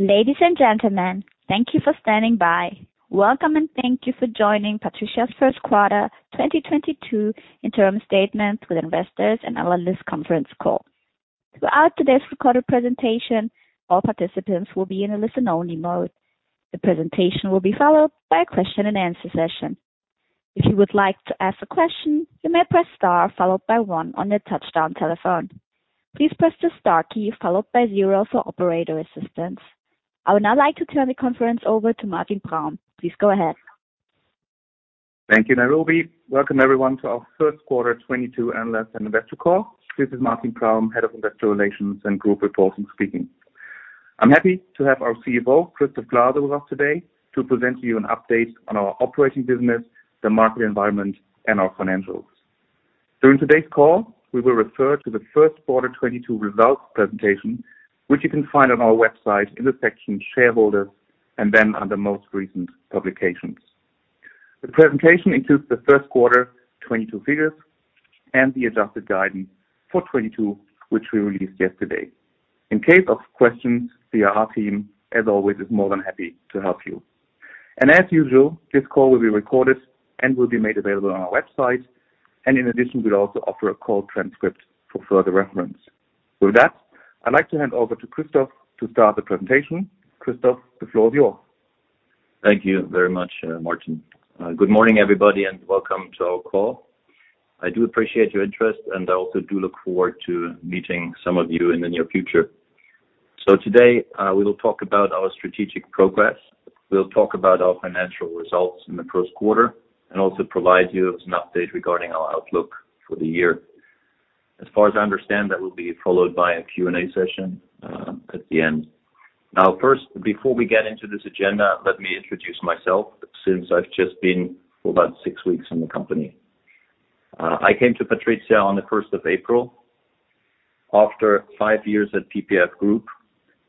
Ladies and gentlemen, thank you for standing by. Welcome, and thank you for joining PATRIZIA's first quarter 2022 interim statement with investors and analysts conference call. Throughout today's recorded presentation, all participants will be in a listen-only mode. The presentation will be followed by a question and answer session. If you would like to ask a question, you may press star followed by one on your touch-tone telephone. Please press the star key followed by zero for operator assistance. I would now like to turn the conference over to Martin Praum. Please go ahead. Thank you, Nairobi. Welcome everyone to our first quarter 2022 analyst and investor call. This is Martin Praum, Head of Investor Relations and Group Reporting, speaking. I'm happy to have our CEO, Christoph Glaser, with us today to present to you an update on our operating business, the market environment, and our financials. During today's call, we will refer to the first quarter 2022 results presentation, which you can find on our website in the section shareholder and then under most recent publications. The presentation includes the first quarter 2022 figures and the adjusted guidance for 2022, which we released yesterday. In case of questions, the IR team, as always, is more than happy to help you. As usual, this call will be recorded and will be made available on our website. In addition, we'll also offer a call transcript for further reference. With that, I'd like to hand over to Christoph to start the presentation. Christoph, the floor is yours. Thank you very much, Martin. Good morning everybody, and welcome to our call. I do appreciate your interest, and I also do look forward to meeting some of you in the near future. Today, we will talk about our strategic progress. We'll talk about our financial results in the first quarter and also provide you with an update regarding our outlook for the year. As far as I understand, that will be followed by a Q&A session at the end. Now first, before we get into this agenda, let me introduce myself since I've just been for about six weeks in the company. I came to PATRIZIA on the first of April after five years at PPF Group,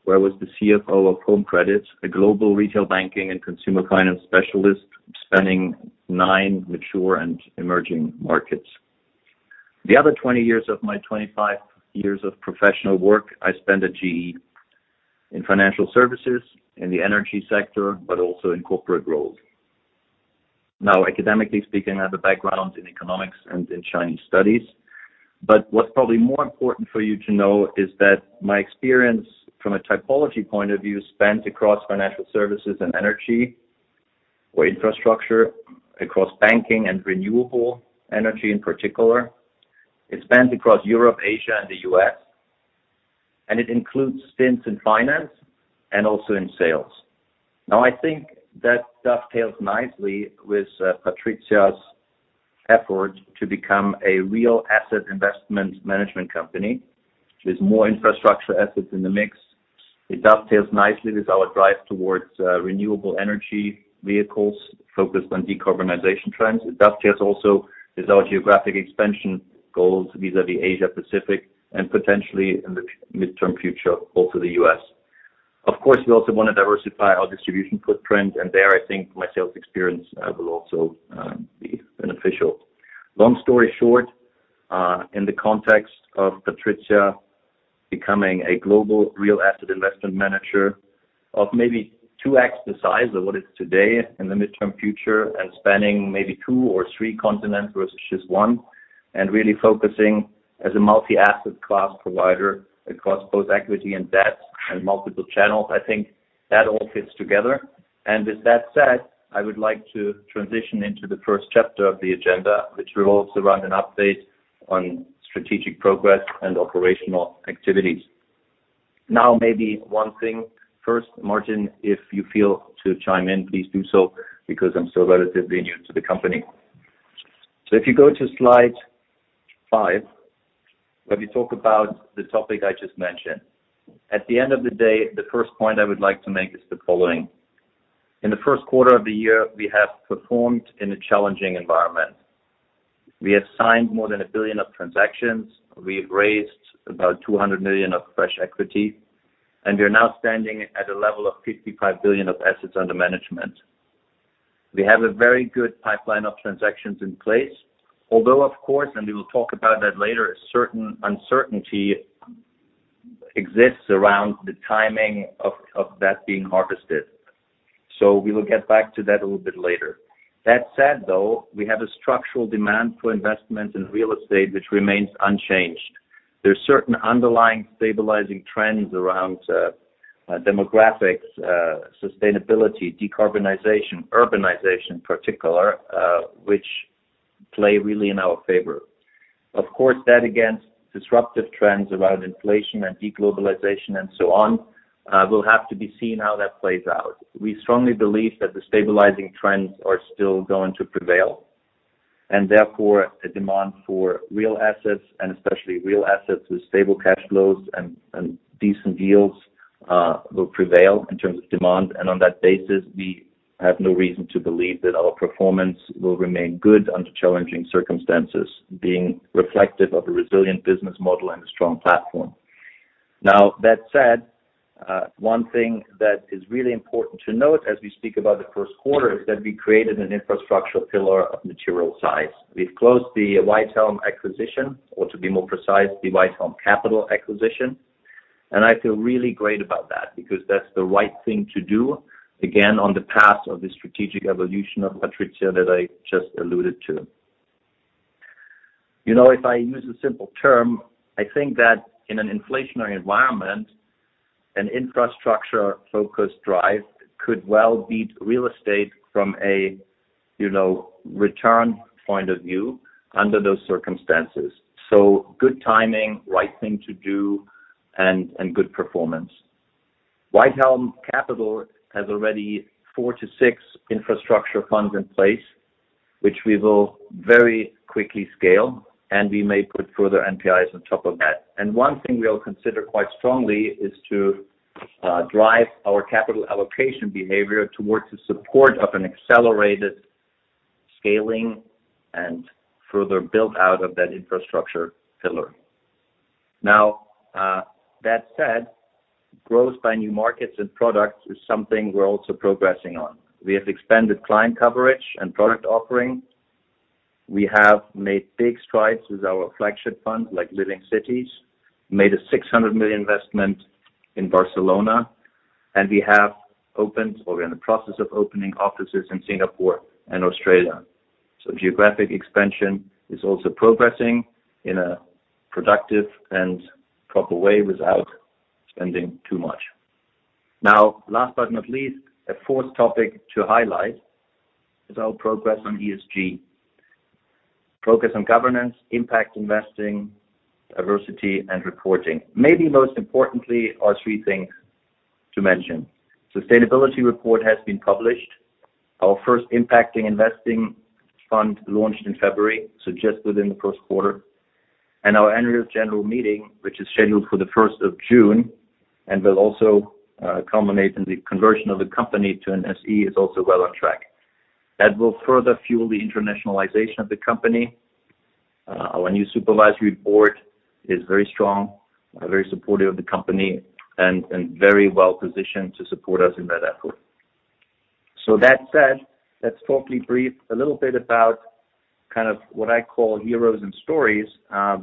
where I was the CFO of Home Credit, a global retail banking and consumer finance specialist spanning nine mature and emerging markets. The other 20 years of my 25 years of professional work, I spent at GE in financial services, in the energy sector, but also in corporate roles. Now, academically speaking, I have a background in economics and in Chinese studies. What's probably more important for you to know is that my experience from a typology point of view spans across financial services and energy or infrastructure across banking and renewable energy in particular. It spans across Europe, Asia, and the U.S. It includes stints in finance and also in sales. Now, I think that dovetails nicely with PATRIZIA's effort to become a real asset investment management company with more infrastructure assets in the mix. It dovetails nicely with our drive towards renewable energy vehicles focused on decarbonization trends. It dovetails also with our geographic expansion goals vis-à-vis Asia Pacific and potentially in the midterm future, also the US. Of course, we also wanna diversify our distribution footprint. There, I think my sales experience will also be beneficial. Long story short, in the context of PATRIZIA becoming a global real asset investment manager of maybe 2x the size of what it's today in the midterm future and spanning maybe two or three continents versus just one, and really focusing as a multi-asset class provider across both equity and debt and multiple channels. I think that all fits together. With that said, I would like to transition into the first chapter of the agenda, which will also run an update on strategic progress and operational activities. Now, maybe one thing first, Martin, if you feel to chime in, please do so because I'm still relatively new to the company. If you go to slide five, let me talk about the topic I just mentioned. At the end of the day, the first point I would like to make is the following. In the first quarter of the year, we have performed in a challenging environment. We have signed more than 1 billion of transactions. We have raised about 200 million of fresh equity, and we're now standing at a level of 55 billion of assets under management. We have a very good pipeline of transactions in place. Although of course, and we will talk about that later, a certain uncertainty exists around the timing of that being harvested. We will get back to that a little bit later. That said, though, we have a structural demand for investment in real estate, which remains unchanged. There's certain underlying stabilizing trends around, demographics, sustainability, decarbonization, urbanization in particular, which play really in our favor. Of course, that against disruptive trends around inflation and de-globalization and so on, will have to be seen how that plays out. We strongly believe that the stabilizing trends are still going to prevail, and therefore a demand for real assets and especially real assets with stable cash flows and decent deals, will prevail in terms of demand. On that basis, we have no reason to believe that our performance will remain good under challenging circumstances being reflective of a resilient business model and a strong platform. Now, that said, one thing that is really important to note as we speak about the first quarter is that we created an infrastructure pillar of material size. We've closed the Whitehelm acquisition, or to be more precise, the Whitehelm Capital acquisition. I feel really great about that because that's the right thing to do, again, on the path of the strategic evolution of PATRIZIA that I just alluded to. You know, if I use a simple term, I think that in an inflationary environment, an infrastructure-focused drive could well beat real estate from a, you know, return point of view under those circumstances. Good timing, right thing to do, and good performance. Whitehelm Capital has already four to six infrastructure funds in place, which we will very quickly scale, and we may put further NPIs on top of that. One thing we'll consider quite strongly is to drive our capital allocation behavior towards the support of an accelerated scaling and further build-out of that infrastructure pillar. Now, that said, growth by new markets and products is something we're also progressing on. We have expanded client coverage and product offering. We have made big strides with our flagship funds like Living Cities, made a 600 million investment in Barcelona, and we have opened or we're in the process of opening offices in Singapore and Australia. Geographic expansion is also progressing in a productive and proper way without spending too much. Now, last but not least, a fourth topic to highlight is our progress on ESG. Focus on governance, impact investing, diversity, and reporting. Maybe most importantly are three things to mention. Sustainability report has been published. Our first impact investing fund launched in February, so just within the first quarter. Our annual general meeting, which is scheduled for the first of June, and will also culminate in the conversion of the company to an SE, is also well on track. That will further fuel the internationalization of the company. Our new supervisory board is very strong, very supportive of the company and very well-positioned to support us in that effort. That said, let's talk briefly a little bit about kind of what I call heroes and stories,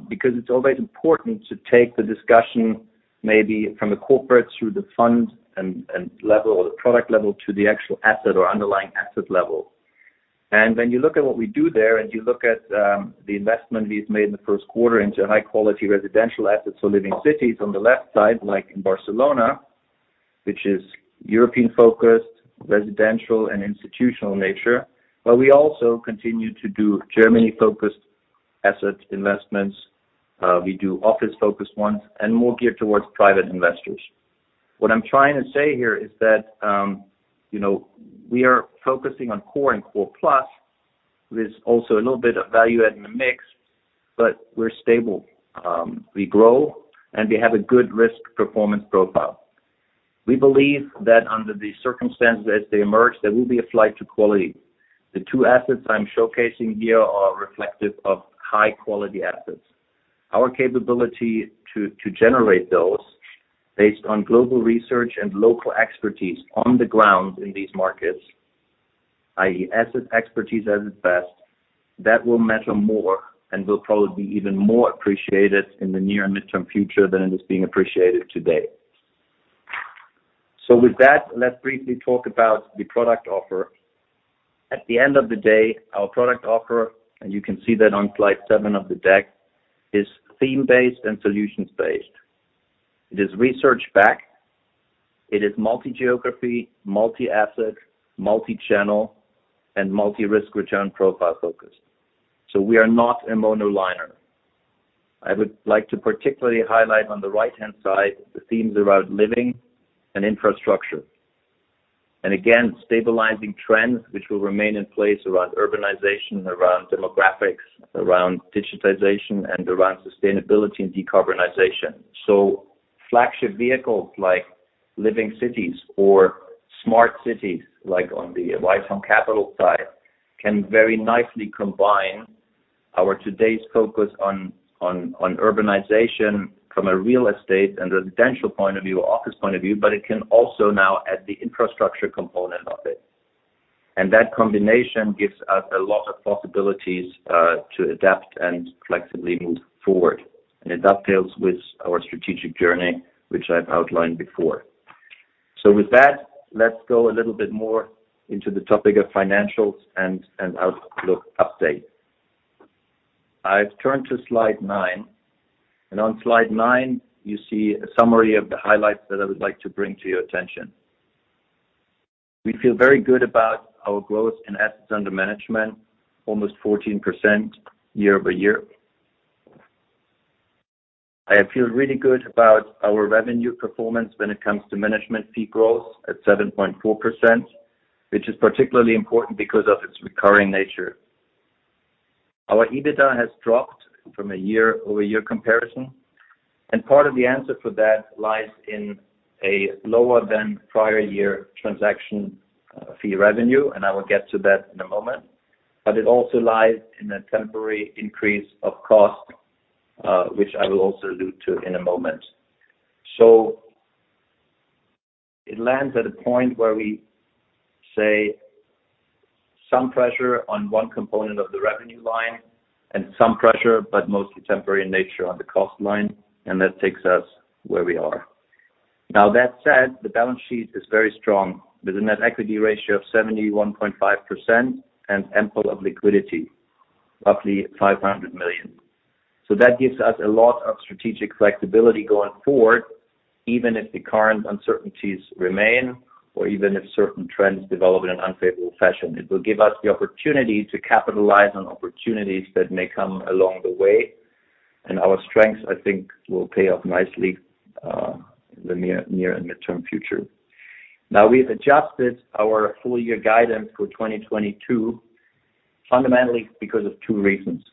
because it's always important to take the discussion maybe from the corporate through the fund and level or the product level to the actual asset or underlying asset level. When you look at what we do there, and you look at the investment we've made in the first quarter into high-quality residential assets, so Living Cities on the left side, like in Barcelona, which is European-focused, residential, and institutional nature. We also continue to do Germany-focused asset investments. We do office-focused ones and more geared towards private investors. What I'm trying to say here is that, you know, we are focusing on core and core plus. There's also a little bit of value add in the mix, but we're stable. We grow, and we have a good risk performance profile. We believe that under the circumstances as they emerge, there will be a flight to quality. The two assets I'm showcasing here are reflective of high-quality assets. Our capability to generate those based on global research and local expertise on the ground in these markets, i.e., asset expertise at its best, that will matter more and will probably be even more appreciated in the near and midterm future than it is being appreciated today. With that, let's briefly talk about the product offer. At the end of the day, our product offer, and you can see that on slide seven of the deck, is theme-based and solutions-based. It is research-backed. It is multi-geography, multi-asset, multi-channel, and multi-risk return profile focused. We are not a monoliner. I would like to particularly highlight on the right-hand side the themes around living and infrastructure. Again, stabilizing trends which will remain in place around urbanization, around demographics, around digitization, and around sustainability and decarbonization. Flagship vehicles like Living Cities or Smart Cities, like on the Whitehelm Capital side, can very nicely combine our today's focus on urbanization from a real estate and residential point of view or office point of view, but it can also now add the infrastructure component of it. That combination gives us a lot of possibilities to adapt and flexibly move forward. That tallies with our strategic journey, which I've outlined before. With that, let's go a little bit more into the topic of financials and outlook update. I've turned to slide 9. On slide 9, you see a summary of the highlights that I would like to bring to your attention. We feel very good about our growth in assets under management, almost 14% year-over-year. I feel really good about our revenue performance when it comes to management fee growth at 7.4%, which is particularly important because of its recurring nature. Our EBITDA has dropped from a year-over-year comparison, and part of the answer for that lies in a lower than prior year transaction fee revenue, and I will get to that in a moment. It also lies in a temporary increase of cost which I will also allude to in a moment. It lands at a point where we see some pressure on one component of the revenue line and some pressure, but mostly temporary in nature on the cost line, and that takes us where we are. Now that said, the balance sheet is very strong with a net equity ratio of 71.5% and influx of liquidity, roughly 500 million. That gives us a lot of strategic flexibility going forward, even if the current uncertainties remain, or even if certain trends develop in an unfavorable fashion. It will give us the opportunity to capitalize on opportunities that may come along the way. Our strengths, I think, will pay off nicely in the near and midterm future. Now we've adjusted our full year guidance for 2022, fundamentally because of two reasons.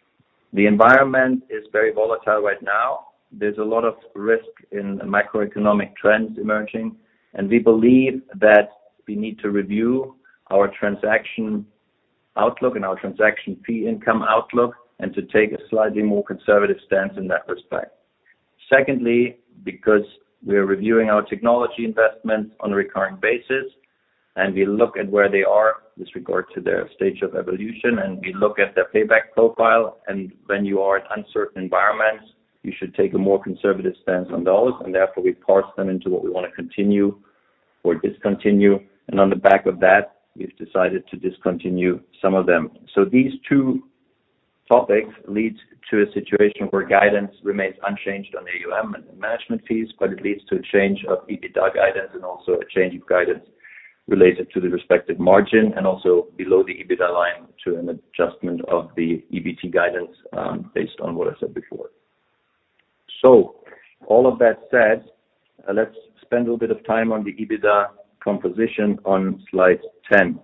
The environment is very volatile right now. There's a lot of risk in macroeconomic trends emerging, and we believe that we need to review our transaction outlook and our transaction fee income outlook and to take a slightly more conservative stance in that respect. Secondly, because we are reviewing our technology investments on a recurring basis, and we look at where they are with regard to their stage of evolution, and we look at their payback profile. When you are in uncertain environments, you should take a more conservative stance on those. Therefore, we parse them into what we wanna continue or discontinue. On the back of that, we've decided to discontinue some of them. These two topics leads to a situation where guidance remains unchanged on AUM and management fees, but it leads to a change of EBITDA guidance and also a change of guidance related to the respective margin, and also below the EBITDA line to an adjustment of the EBT guidance, based on what I said before. All of that said, let's spend a little bit of time on the EBITDA composition on slide ten.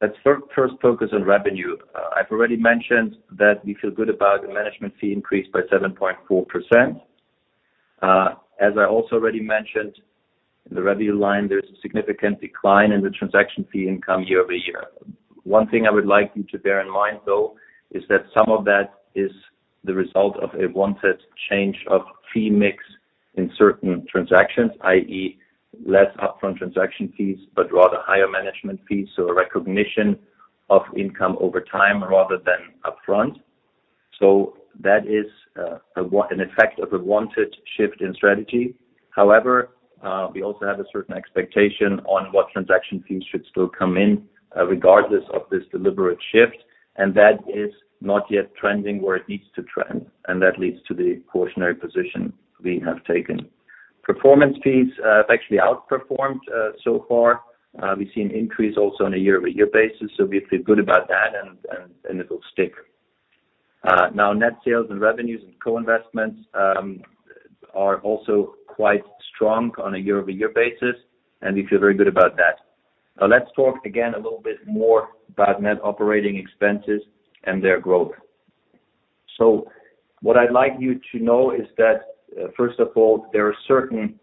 Let's first focus on revenue. I've already mentioned that we feel good about the management fee increase by 7.4%. As I also already mentioned, the revenue line, there's a significant decline in the transaction fee income year-over-year. One thing I would like you to bear in mind though, is that some of that is the result of a wanted change of fee mix in certain transactions, i.e., less upfront transaction fees, but rather higher management fees. So a recognition of income over time rather than upfront. So that is an effect of a wanted shift in strategy. However, we also have a certain expectation on what transaction fees should still come in, regardless of this deliberate shift, and that is not yet trending where it needs to trend, and that leads to the cautionary position we have taken. Performance fees have actually outperformed so far. We've seen increase also on a year-over-year basis, so we feel good about that and it'll stick. Now net sales and revenues and co-investments are also quite strong on a year-over-year basis, and we feel very good about that. Now let's talk again a little bit more about net operating expenses and their growth. What I'd like you to know is that first of all, there are certain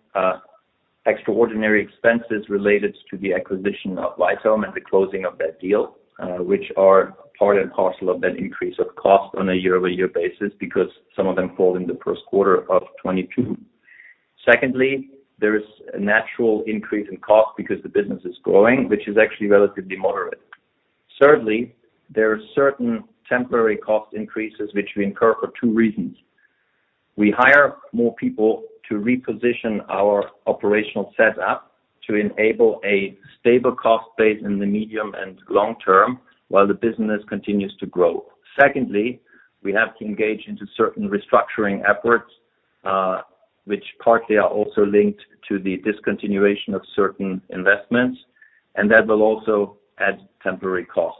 extraordinary expenses related to the acquisition of Whitehelm and the closing of that deal, which are part and parcel of that increase of cost on a year-over-year basis because some of them fall in the first quarter of 2022. Secondly, there's a natural increase in cost because the business is growing, which is actually relatively moderate. Thirdly, there are certain temporary cost increases which we incur for two reasons. We hire more people to reposition our operational set up to enable a stable cost base in the medium and long term while the business continues to grow. Secondly, we have to engage into certain restructuring efforts, which partly are also linked to the discontinuation of certain investments, and that will also add temporary costs.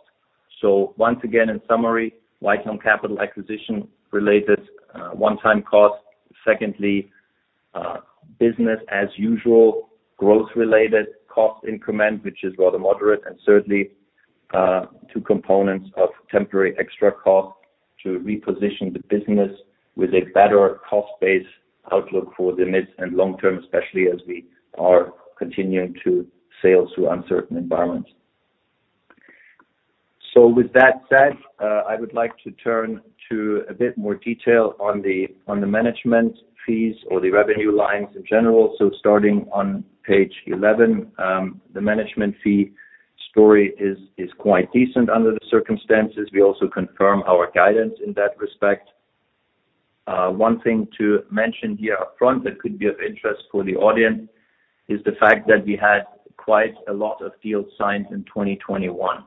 Once again in summary, Whitehelm Capital acquisition related, one-time cost. Secondly, business as usual, growth related cost increment, which is rather moderate. Certainly, two components of temporary extra cost to reposition the business with a better cost base outlook for the mid and long term, especially as we are continuing to sail through uncertain environments. With that said, I would like to turn to a bit more detail on the management fees or the revenue lines in general. Starting on page 11, the management fee story is quite decent under the circumstances. We also confirm our guidance in that respect. One thing to mention here upfront that could be of interest for the audience is the fact that we had quite a lot of deals signed in 2021.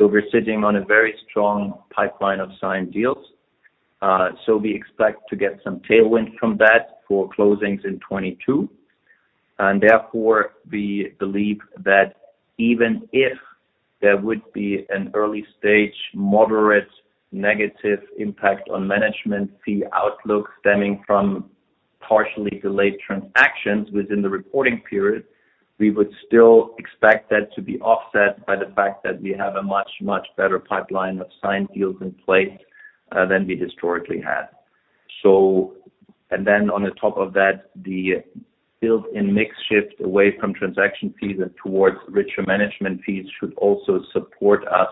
We're sitting on a very strong pipeline of signed deals. We expect to get some tailwind from that for closings in 2022. Therefore, we believe that even if there would be an early stage, moderate negative impact on management fee outlook stemming from partially delayed transactions within the reporting period, we would still expect that to be offset by the fact that we have a much, much better pipeline of signed deals in place, than we historically had. Then on top of that, the built-in mix shift away from transaction fees and towards richer management fees should also support us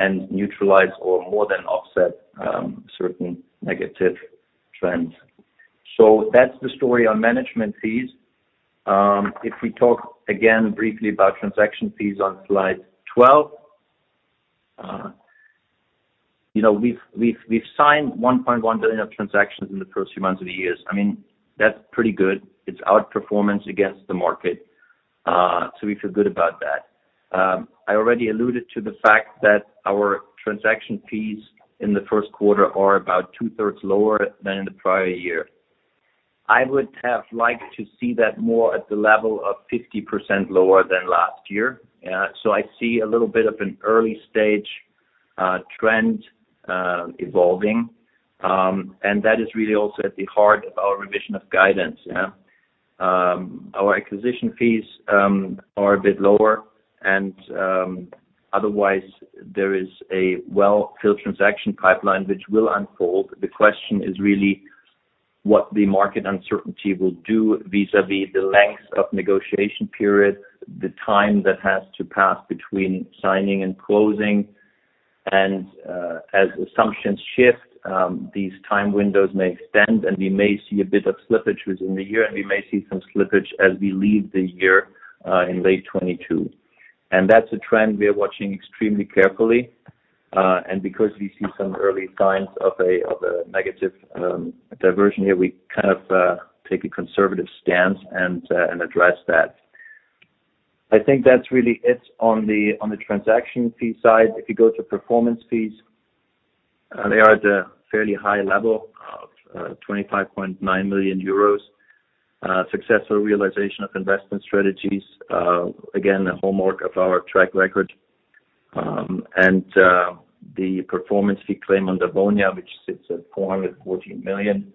and neutralize or more than offset, certain negative trends. That's the story on management fees. If we talk again briefly about transaction fees on slide 12. You know, we've signed 1.1 billion of transactions in the first few months of the year. I mean, that's pretty good. It's outperformance against the market, so we feel good about that. I already alluded to the fact that our transaction fees in the first quarter are about two-thirds lower than in the prior year. I would have liked to see that more at the level of 50% lower than last year. I see a little bit of an early stage trend evolving, and that is really also at the heart of our revision of guidance, yeah. Our acquisition fees are a bit lower and, otherwise there is a well-filled transaction pipeline which will unfold. The question is really what the market uncertainty will do vis-à-vis the length of negotiation period, the time that has to pass between signing and closing. As assumptions shift, these time windows may extend, and we may see a bit of slippage within the year, and we may see some slippage as we leave the year, in late 2022. That's a trend we are watching extremely carefully. Because we see some early signs of a negative diversion here, we kind of take a conservative stance and address that. I think that's really it on the transaction fee side. If you go to performance fees, they are at a fairly high level of 25.9 million euros. Successful realization of investment strategies. Again, the hallmark of our track record. The performance fee claim on Davonia which sits at 414 million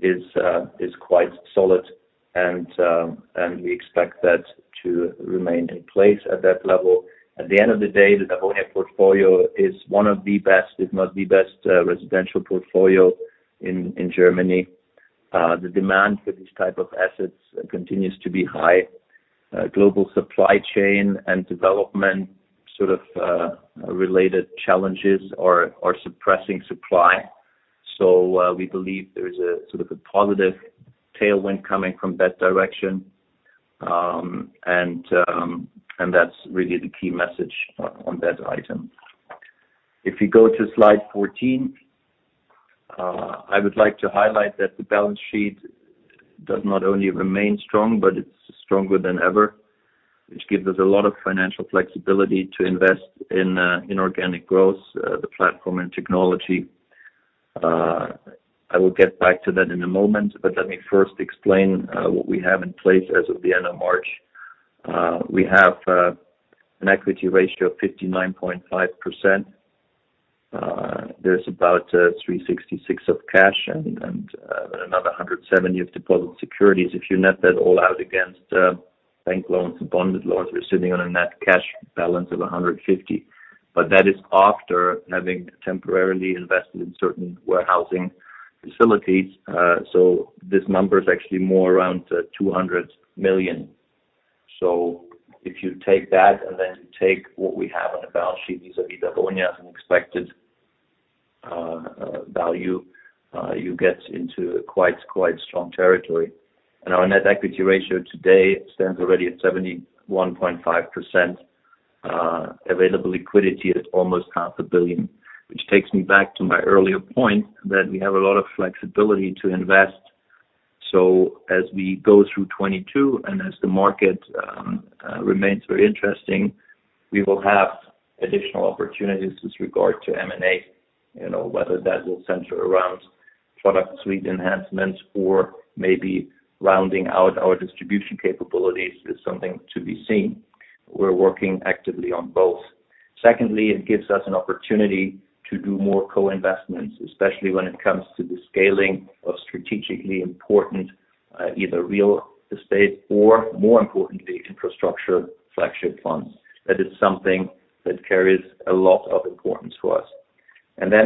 is quite solid and we expect that to remain in place at that level. At the end of the day, the Davonia portfolio is one of the best, if not the best, residential portfolio in Germany. The demand for these type of assets continues to be high. Global supply chain and development sort of related challenges are suppressing supply. We believe there is a sort of a positive tailwind coming from that direction. That's really the key message on that item. If you go to slide 14, I would like to highlight that the balance sheet does not only remain strong, but it's stronger than ever, which gives us a lot of financial flexibility to invest in in organic growth, the platform and technology. I will get back to that in a moment, but let me first explain what we have in place as of the end of March. We have an equity ratio of 59.5%. There's about 366 of cash and another 170 of deposit securities. If you net that all out against bank loans and bonds, we're sitting on a net cash balance of 150. That is after having temporarily invested in certain warehousing facilities. This number is actually more around 200 million. If you take that, and then you take what we have on the balance sheet vis-à-vis Davonia as an expected value, you get into quite strong territory. Our net equity ratio today stands already at 71.5%. Available liquidity at almost EUR half a billion, which takes me back to my earlier point that we have a lot of flexibility to invest. As we go through 2022 and as the market remains very interesting, we will have additional opportunities with regard to M&A. You know, whether that will center around product suite enhancements or maybe rounding out our distribution capabilities is something to be seen. We're working actively on both. Secondly, it gives us an opportunity to do more co-investments, especially when it comes to the scaling of strategically important, either real estate or, more importantly, infrastructure flagship funds. That is something that carries a lot of importance for us.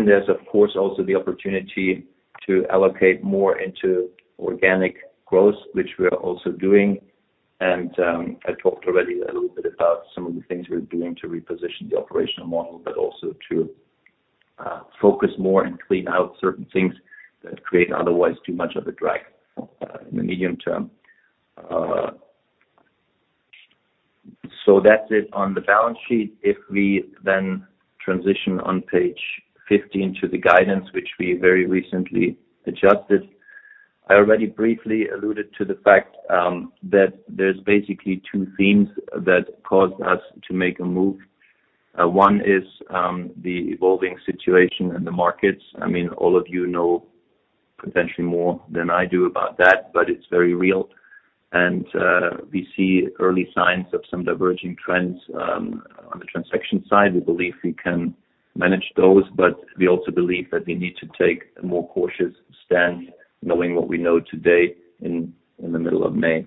There's of course also the opportunity to allocate more into organic growth, which we are also doing. I talked already a little bit about some of the things we're doing to reposition the operational model, but also to focus more and clean out certain things that create otherwise too much of a drag, in the medium term. That's it on the balance sheet. If we then transition on page 15 to the guidance, which we very recently adjusted. I already briefly alluded to the fact that there's basically two themes that caused us to make a move. One is the evolving situation in the markets. I mean, all of you know potentially more than I do about that, but it's very real. We see early signs of some diverging trends on the transaction side. We believe we can manage those, but we also believe that we need to take a more cautious stand knowing what we know today in the middle of May.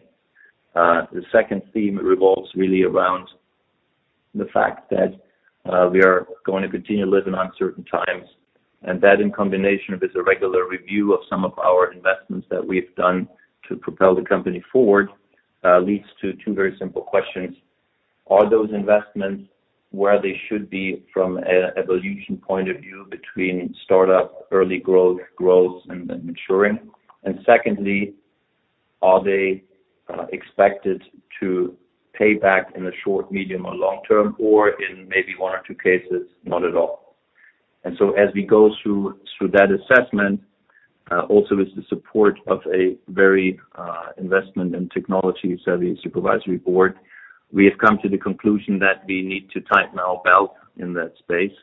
The second theme revolves really around the fact that we are going to continue living uncertain times, and that in combination with a regular review of some of our investments that we've done to propel the company forward leads to two very simple questions. Are those investments where they should be from a valuation point of view between startup, early growth and maturing? Secondly, are they expected to pay back in the short, medium, or long term or in maybe one or two cases, not at all? As we go through that assessment, also with the support of a very investment and technology-savvy supervisory board, we have come to the conclusion that we need to tighten our belt in that space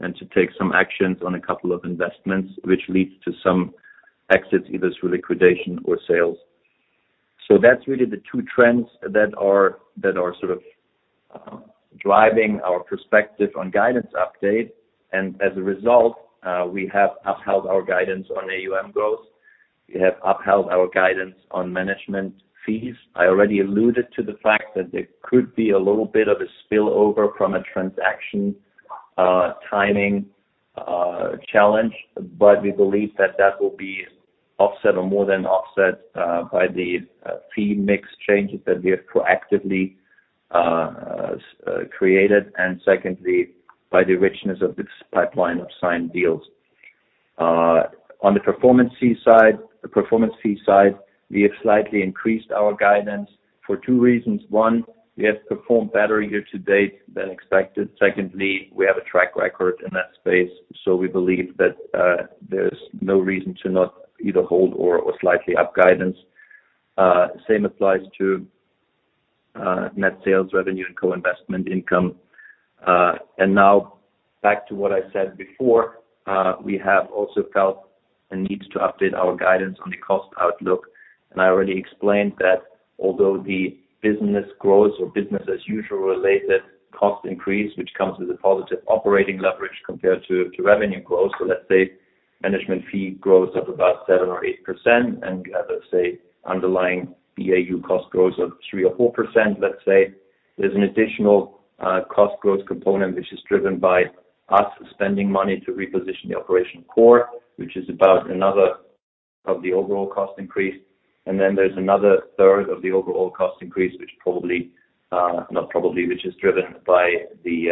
and to take some actions on a couple of investments, which leads to some exits, either through liquidation or sales. That's really the two trends that are sort of driving our perspective on guidance update. As a result, we have upheld our guidance on AUM growth. We have upheld our guidance on management fees. I already alluded to the fact that there could be a little bit of a spillover from a transaction timing challenge, but we believe that that will be offset or more than offset by the fee mix changes that we have proactively created, and secondly, by the richness of this pipeline of signed deals. On the performance fee side, we have slightly increased our guidance for two reasons. One, we have performed better year to date than expected. Secondly, we have a track record in that space, so we believe that there's no reason to not either hold or slightly up guidance. Same applies to net sales revenue and co-investment income. Now back to what I said before, we have also felt a need to update our guidance on the cost outlook. I already explained that although the business growth or business as usual related cost increase, which comes with a positive operating leverage compared to revenue growth. Let's say management fee growth of about 7% or 8% and let's say underlying BAU cost growth of 3% or 4%, let's say, there's an additional cost growth component which is driven by us spending money to reposition the operational core, which is about another third of the overall cost increase. Then there's another third of the overall cost increase, which, not probably, which is driven by the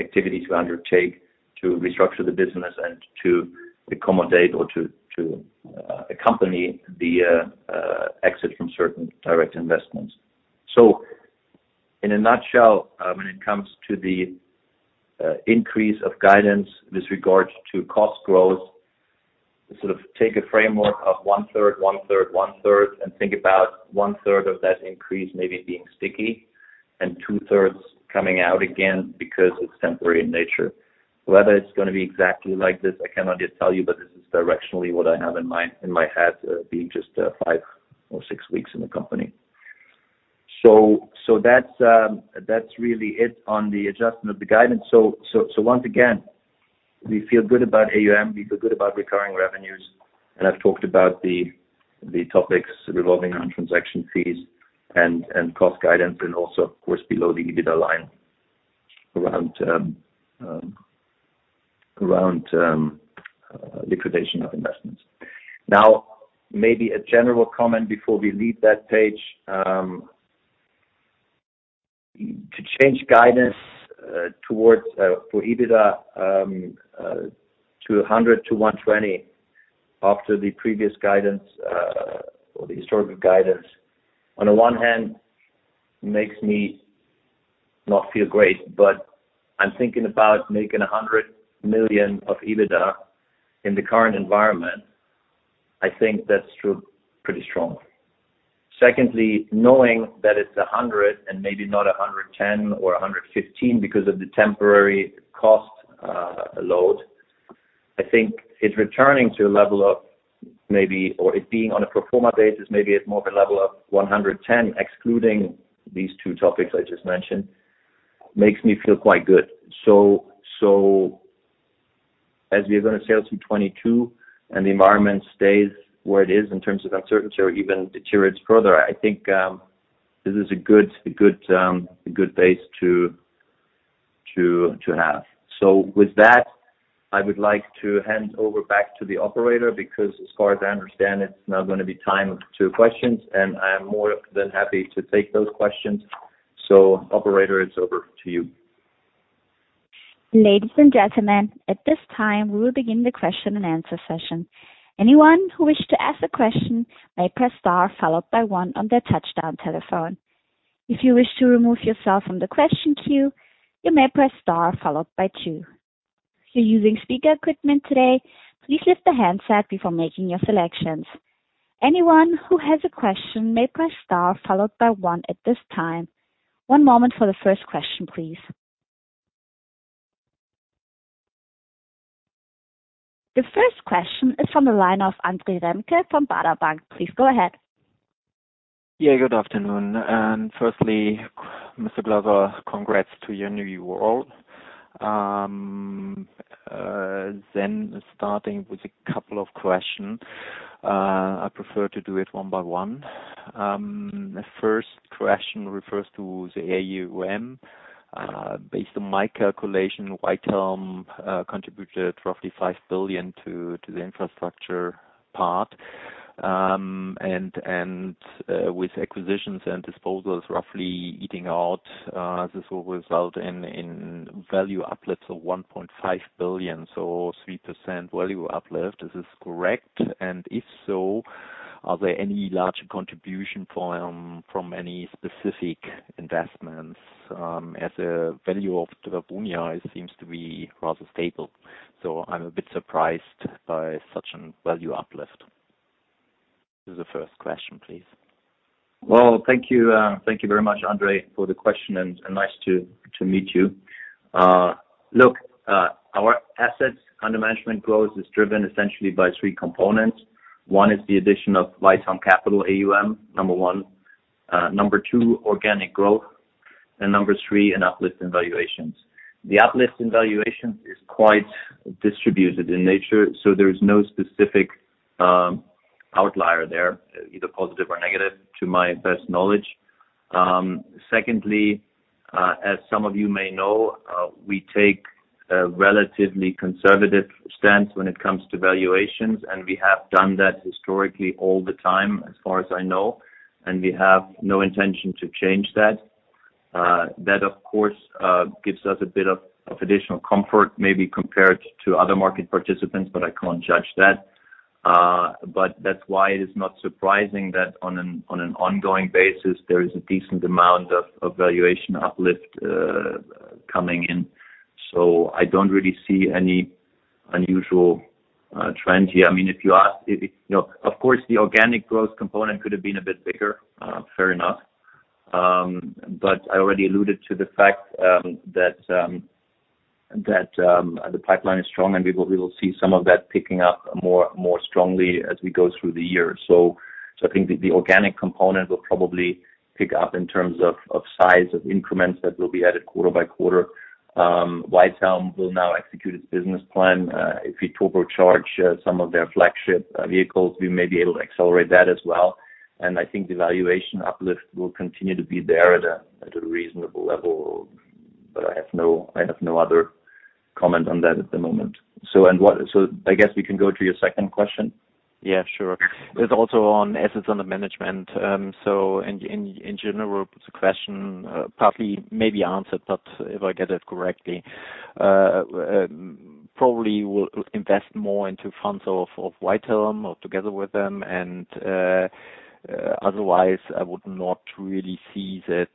activity to undertake to restructure the business and to accommodate or to accompany the exit from certain direct investments. In a nutshell, when it comes to the increase of guidance with regards to cost growth, sort of take a framework of one-third, one-third, one-third, and think about one-third of that increase maybe being sticky and two-thirds coming out again because it's temporary in nature. Whether it's gonna be exactly like this, I cannot yet tell you, but this is directionally what I have in mind, in my head, being just five or six weeks in the company. That's really it on the adjustment of the guidance. Once again, we feel good about AUM. We feel good about recurring revenues. I've talked about the topics revolving around transaction fees and cost guidance and also of course below the EBITDA line around liquidation of investments. Now, maybe a general comment before we leave that page. To change guidance towards for EBITDA to 100 million-120 million after the previous guidance or the historical guidance, on the one hand makes me not feel great, but I'm thinking about making 100 million of EBITDA in the current environment. I think that's true pretty strongly. Secondly, knowing that it's 100 million and maybe not 110 million or 115 million because of the temporary cost load, I think it returning to a level of maybe or it being on a pro forma basis, maybe it's more of a level of 110 million, excluding these two topics I just mentioned, makes me feel quite good. As we are gonna sail through 2022 and the environment stays where it is in terms of uncertainty or even deteriorates further, I think this is a good base to have. With that, I would like to hand over back to the operator because as far as I understand, it's now gonna be time for questions, and I am more than happy to take those questions. Operator, it's over to you. Ladies and gentlemen, at this time, we will begin the question-and-answer session. Anyone who wish to ask a question may press star followed by one on their touch-tone telephone. If you wish to remove yourself from the question queue, you may press star followed by two. If you're using speaker equipment today, please lift the handset before making your selections. Anyone who has a question may press star followed by one at this time. One moment for the first question, please. The first question is from the line of Andre Remke from Baader Bank. Please go ahead. Good afternoon. Firstly, Mr. Glaser, congrats to your new role. Starting with a couple of question, I prefer to do it one by one. The first question refers to the AUM. Based on my calculation, Whitehelm contributed roughly 5 billion to the infrastructure part. With acquisitions and disposals roughly netting out, this will result in value uplift of 1.5 billion. 3% value uplift. Is this correct? If so, are there any larger contribution from any specific investments, as a value of the Davonia seems to be rather stable. I'm a bit surprised by such a value uplift. This is the first question, please. Well, thank you. Thank you very much, Andre, for the question, and nice to meet you. Look, our assets under management growth is driven essentially by three components. One is the addition of Whitehelm Capital AUM, number one. Number two, organic growth. Number three, an uplift in valuations. The uplift in valuations is quite distributed in nature, so there is no specific, outlier there, either positive or negative, to my best knowledge. Secondly, as some of you may know, we take a relatively conservative stance when it comes to valuations, and we have done that historically all the time, as far as I know, and we have no intention to change that. That of course gives us a bit of additional comfort, maybe compared to other market participants, but I can't judge that. That's why it is not surprising that on an ongoing basis, there is a decent amount of valuation uplift coming in. I don't really see any unusual trend here. I mean, if you ask. You know, of course, the organic growth component could have been a bit bigger, fair enough. I already alluded to the fact that the pipeline is strong, and we will see some of that picking up more strongly as we go through the year. I think the organic component will probably pick up in terms of size of increments that will be added quarter by quarter. Whitehelm will now execute its business plan. If we turbocharge some of their flagship vehicles, we may be able to accelerate that as well. I think the valuation uplift will continue to be there at a reasonable level. I have no other comment on that at the moment. I guess we can go to your second question. Yeah, sure. It's also on assets under management. So in general, the question partly may be answered, but if I get it correctly, probably we'll invest more into funds of Whitehelm or together with them. Otherwise, I would not really see that,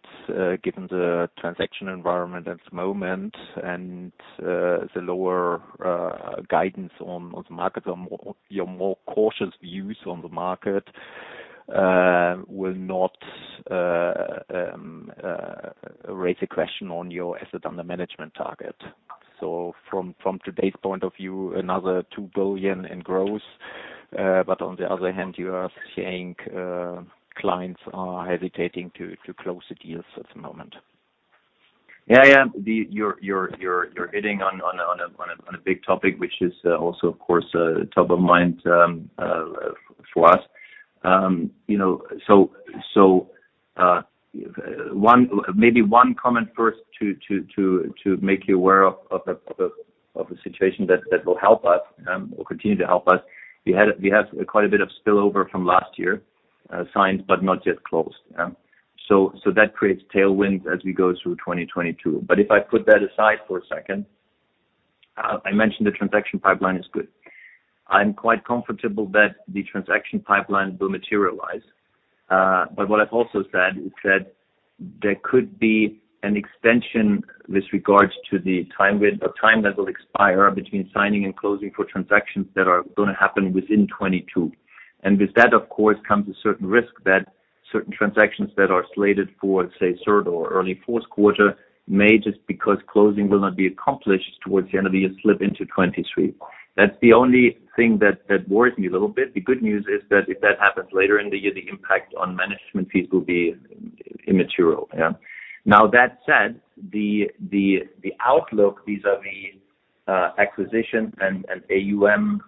given the transaction environment at the moment and the lower guidance on the market or more, your more cautious views on the market, will not raise a question on your asset under management target. From today's point of view, another 2 billion in growth. On the other hand, you are saying, clients are hesitating to close the deals at the moment. Yeah, yeah. You're hitting on a big topic, which is also, of course, top of mind for us. You know, so maybe one comment first to make you aware of the situation that will help us or continue to help us. We had quite a bit of spillover from last year, signed, but not yet closed. So that creates tailwinds as we go through 2022. If I put that aside for a second, I mentioned the transaction pipeline is good. I'm quite comfortable that the transaction pipeline will materialize. What I've also said is that there could be an extension with regards to the timeline or time that will expire between signing and closing for transactions that are gonna happen within 2022. With that, of course, comes a certain risk that certain transactions that are slated for, say, third or early fourth quarter may, just because closing will not be accomplished towards the end of the year, slip into 2023. That's the only thing that worries me a little bit. The good news is that if that happens later in the year, the impact on management fees will be immaterial. Yeah. Now, that said, the outlook vis-à-vis acquisitions and AUM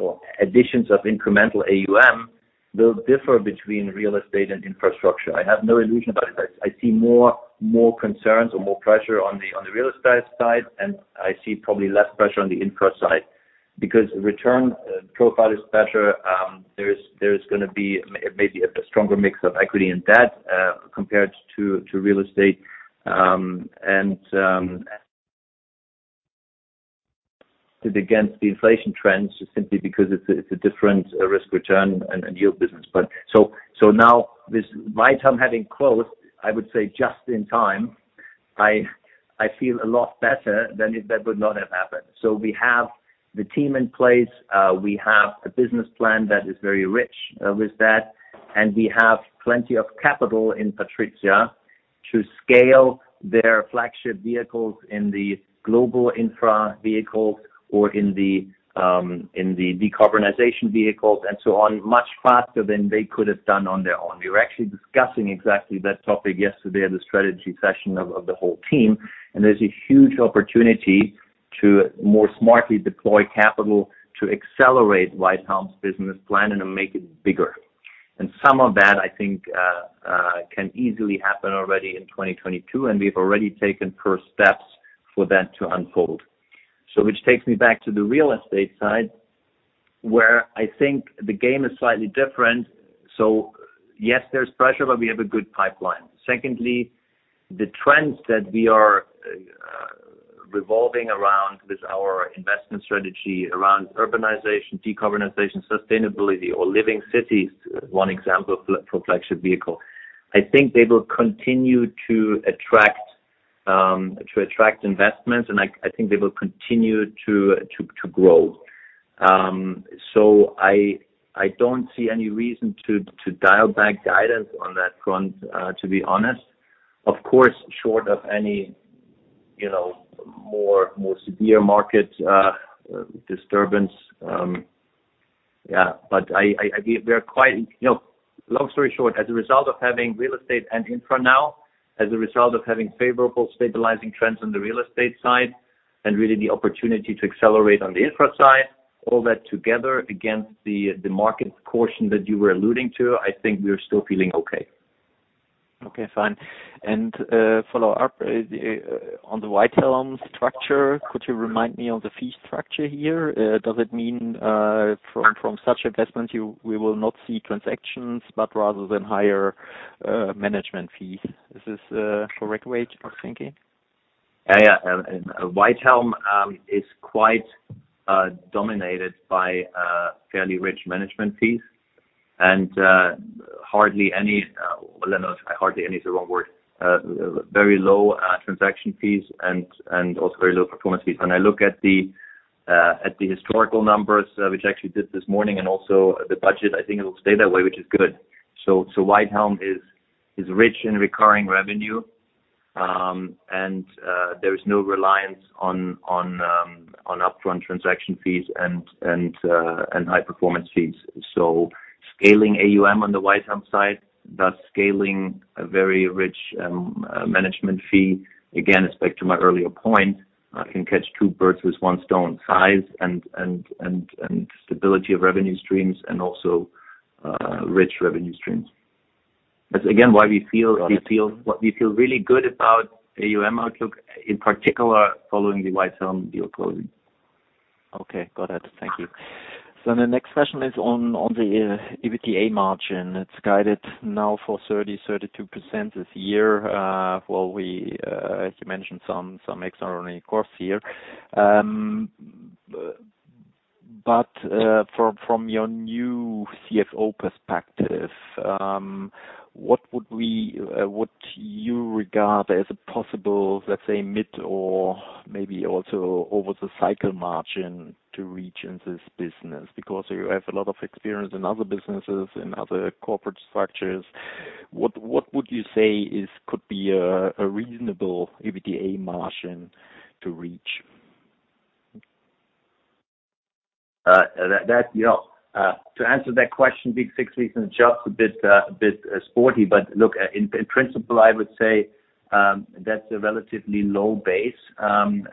or additions of incremental AUM will differ between real estate and infrastructure. I have no illusion about it. I see more concerns or more pressure on the real estate side, and I see probably less pressure on the infra side. Because return profile is better, there is gonna be maybe a stronger mix of equity and debt, compared to real estate. Against the inflation trends simply because it's a different risk return and yield business. Now this Whitehelm having closed, I would say just in time, I feel a lot better than if that would not have happened. We have the team in place. We have a business plan that is very rich with that, and we have plenty of capital in PATRIZIA to scale their flagship vehicles in the global infra vehicles or in the decarbonization vehicles and so on, much faster than they could have done on their own. We were actually discussing exactly that topic yesterday at the strategy session of the whole team, and there's a huge opportunity to more smartly deploy capital to accelerate Whitehelm's business plan and to make it bigger. Some of that I think can easily happen already in 2022, and we've already taken first steps for that to unfold. Which takes me back to the real estate side, where I think the game is slightly different. Yes, there's pressure, but we have a good pipeline. Secondly, the trends that we are revolving around with our investment strategy around urbanization, decarbonization, sustainability, or Living Cities, one example for flagship vehicle. I think they will continue to attract investments, and I think they will continue to grow. So I don't see any reason to dial back guidance on that front, to be honest, of course, short of any, you know, more severe market disturbance. We are quite, you know, long story short, as a result of having real estate and infra now, as a result of having favorable stabilizing trends on the real estate side, and really the opportunity to accelerate on the infra side, all that together against the market caution that you were alluding to, I think we are still feeling okay. Okay. Fine. Follow up on the Whitehelm structure, could you remind me of the fee structure here? Does it mean, from such investments, we will not see transactions, but rather than higher management fees? Is this correct way of thinking? Yeah. Whitehelm is quite dominated by fairly rich management fees and hardly any, well, I don't know if hardly any is the wrong word, very low transaction fees and also very low performance fees. When I look at the historical numbers, which I actually did this morning, and also the budget, I think it will stay that way, which is good. Whitehelm is rich in recurring revenue, and there is no reliance on upfront transaction fees and high performance fees. Scaling AUM on the Whitehelm side, thus scaling a very rich management fee, again, it's back to my earlier point, can catch two birds with one stone size and stability of revenue streams and also, rich revenue streams. That's again, why we feel really good about AUM outlook, in particular following the Whitehelm deal closing. Okay. Got it. Thank you. The next question is on the EBITDA margin. It's guided now for 32% this year. Well, as you mentioned some extraordinary costs here. From your new CFO perspective, would you regard as a possible, let's say, mid or maybe also over the cycle margin to reach in this business? Because you have a lot of experience in other businesses and other corporate structures. What would you say could be a reasonable EBITDA margin to reach? That, you know, to answer that question, it's been six weeks and just a bit sporty. Look, in principle, I would say that's a relatively low base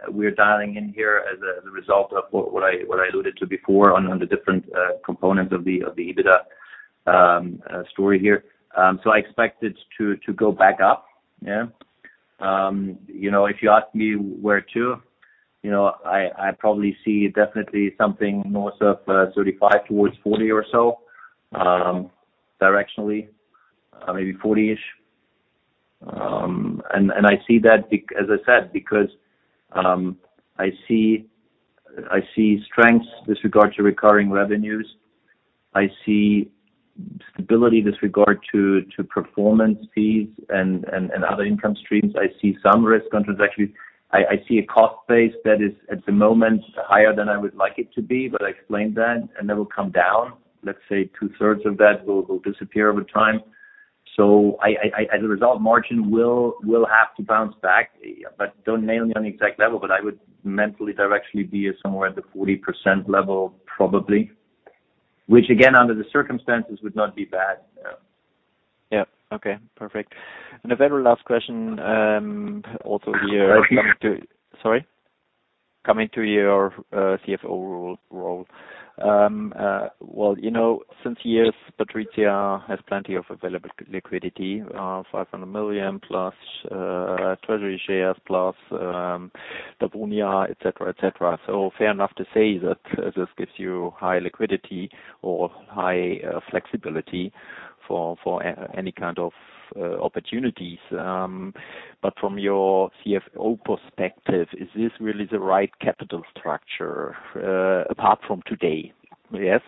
we're dialing in here as a result of what I alluded to before on the different components of the EBITDA story here. I expect it to go back up. Yeah. You know, if you ask me where to, you know, I probably see definitely something north of 35% towards 40% or so, directionally, maybe 40-ish%. I see that as I said because I see strengths with regard to recurring revenues. I see stability with regard to performance fees and other income streams. I see some risk on transaction. I see a cost base that is at the moment higher than I would like it to be, but I explained that, and that will come down. Let's say two-thirds of that will disappear over time. As a result, margin will have to bounce back. Don't nail me on the exact level, but I would mentally, directionally be somewhere at the 40% level, probably. Which again, under the circumstances would not be bad. Yeah. Yeah. Okay. Perfect. The very last question, coming to your CFO role. Well, you know, for years, PATRIZIA has plenty of available liquidity, 500 million plus treasury shares plus the Davonia, et cetera. So fair enough to say that this gives you high liquidity or high flexibility for any kind of opportunities. But from your CFO perspective, is this really the right capital structure, apart from today? Yes.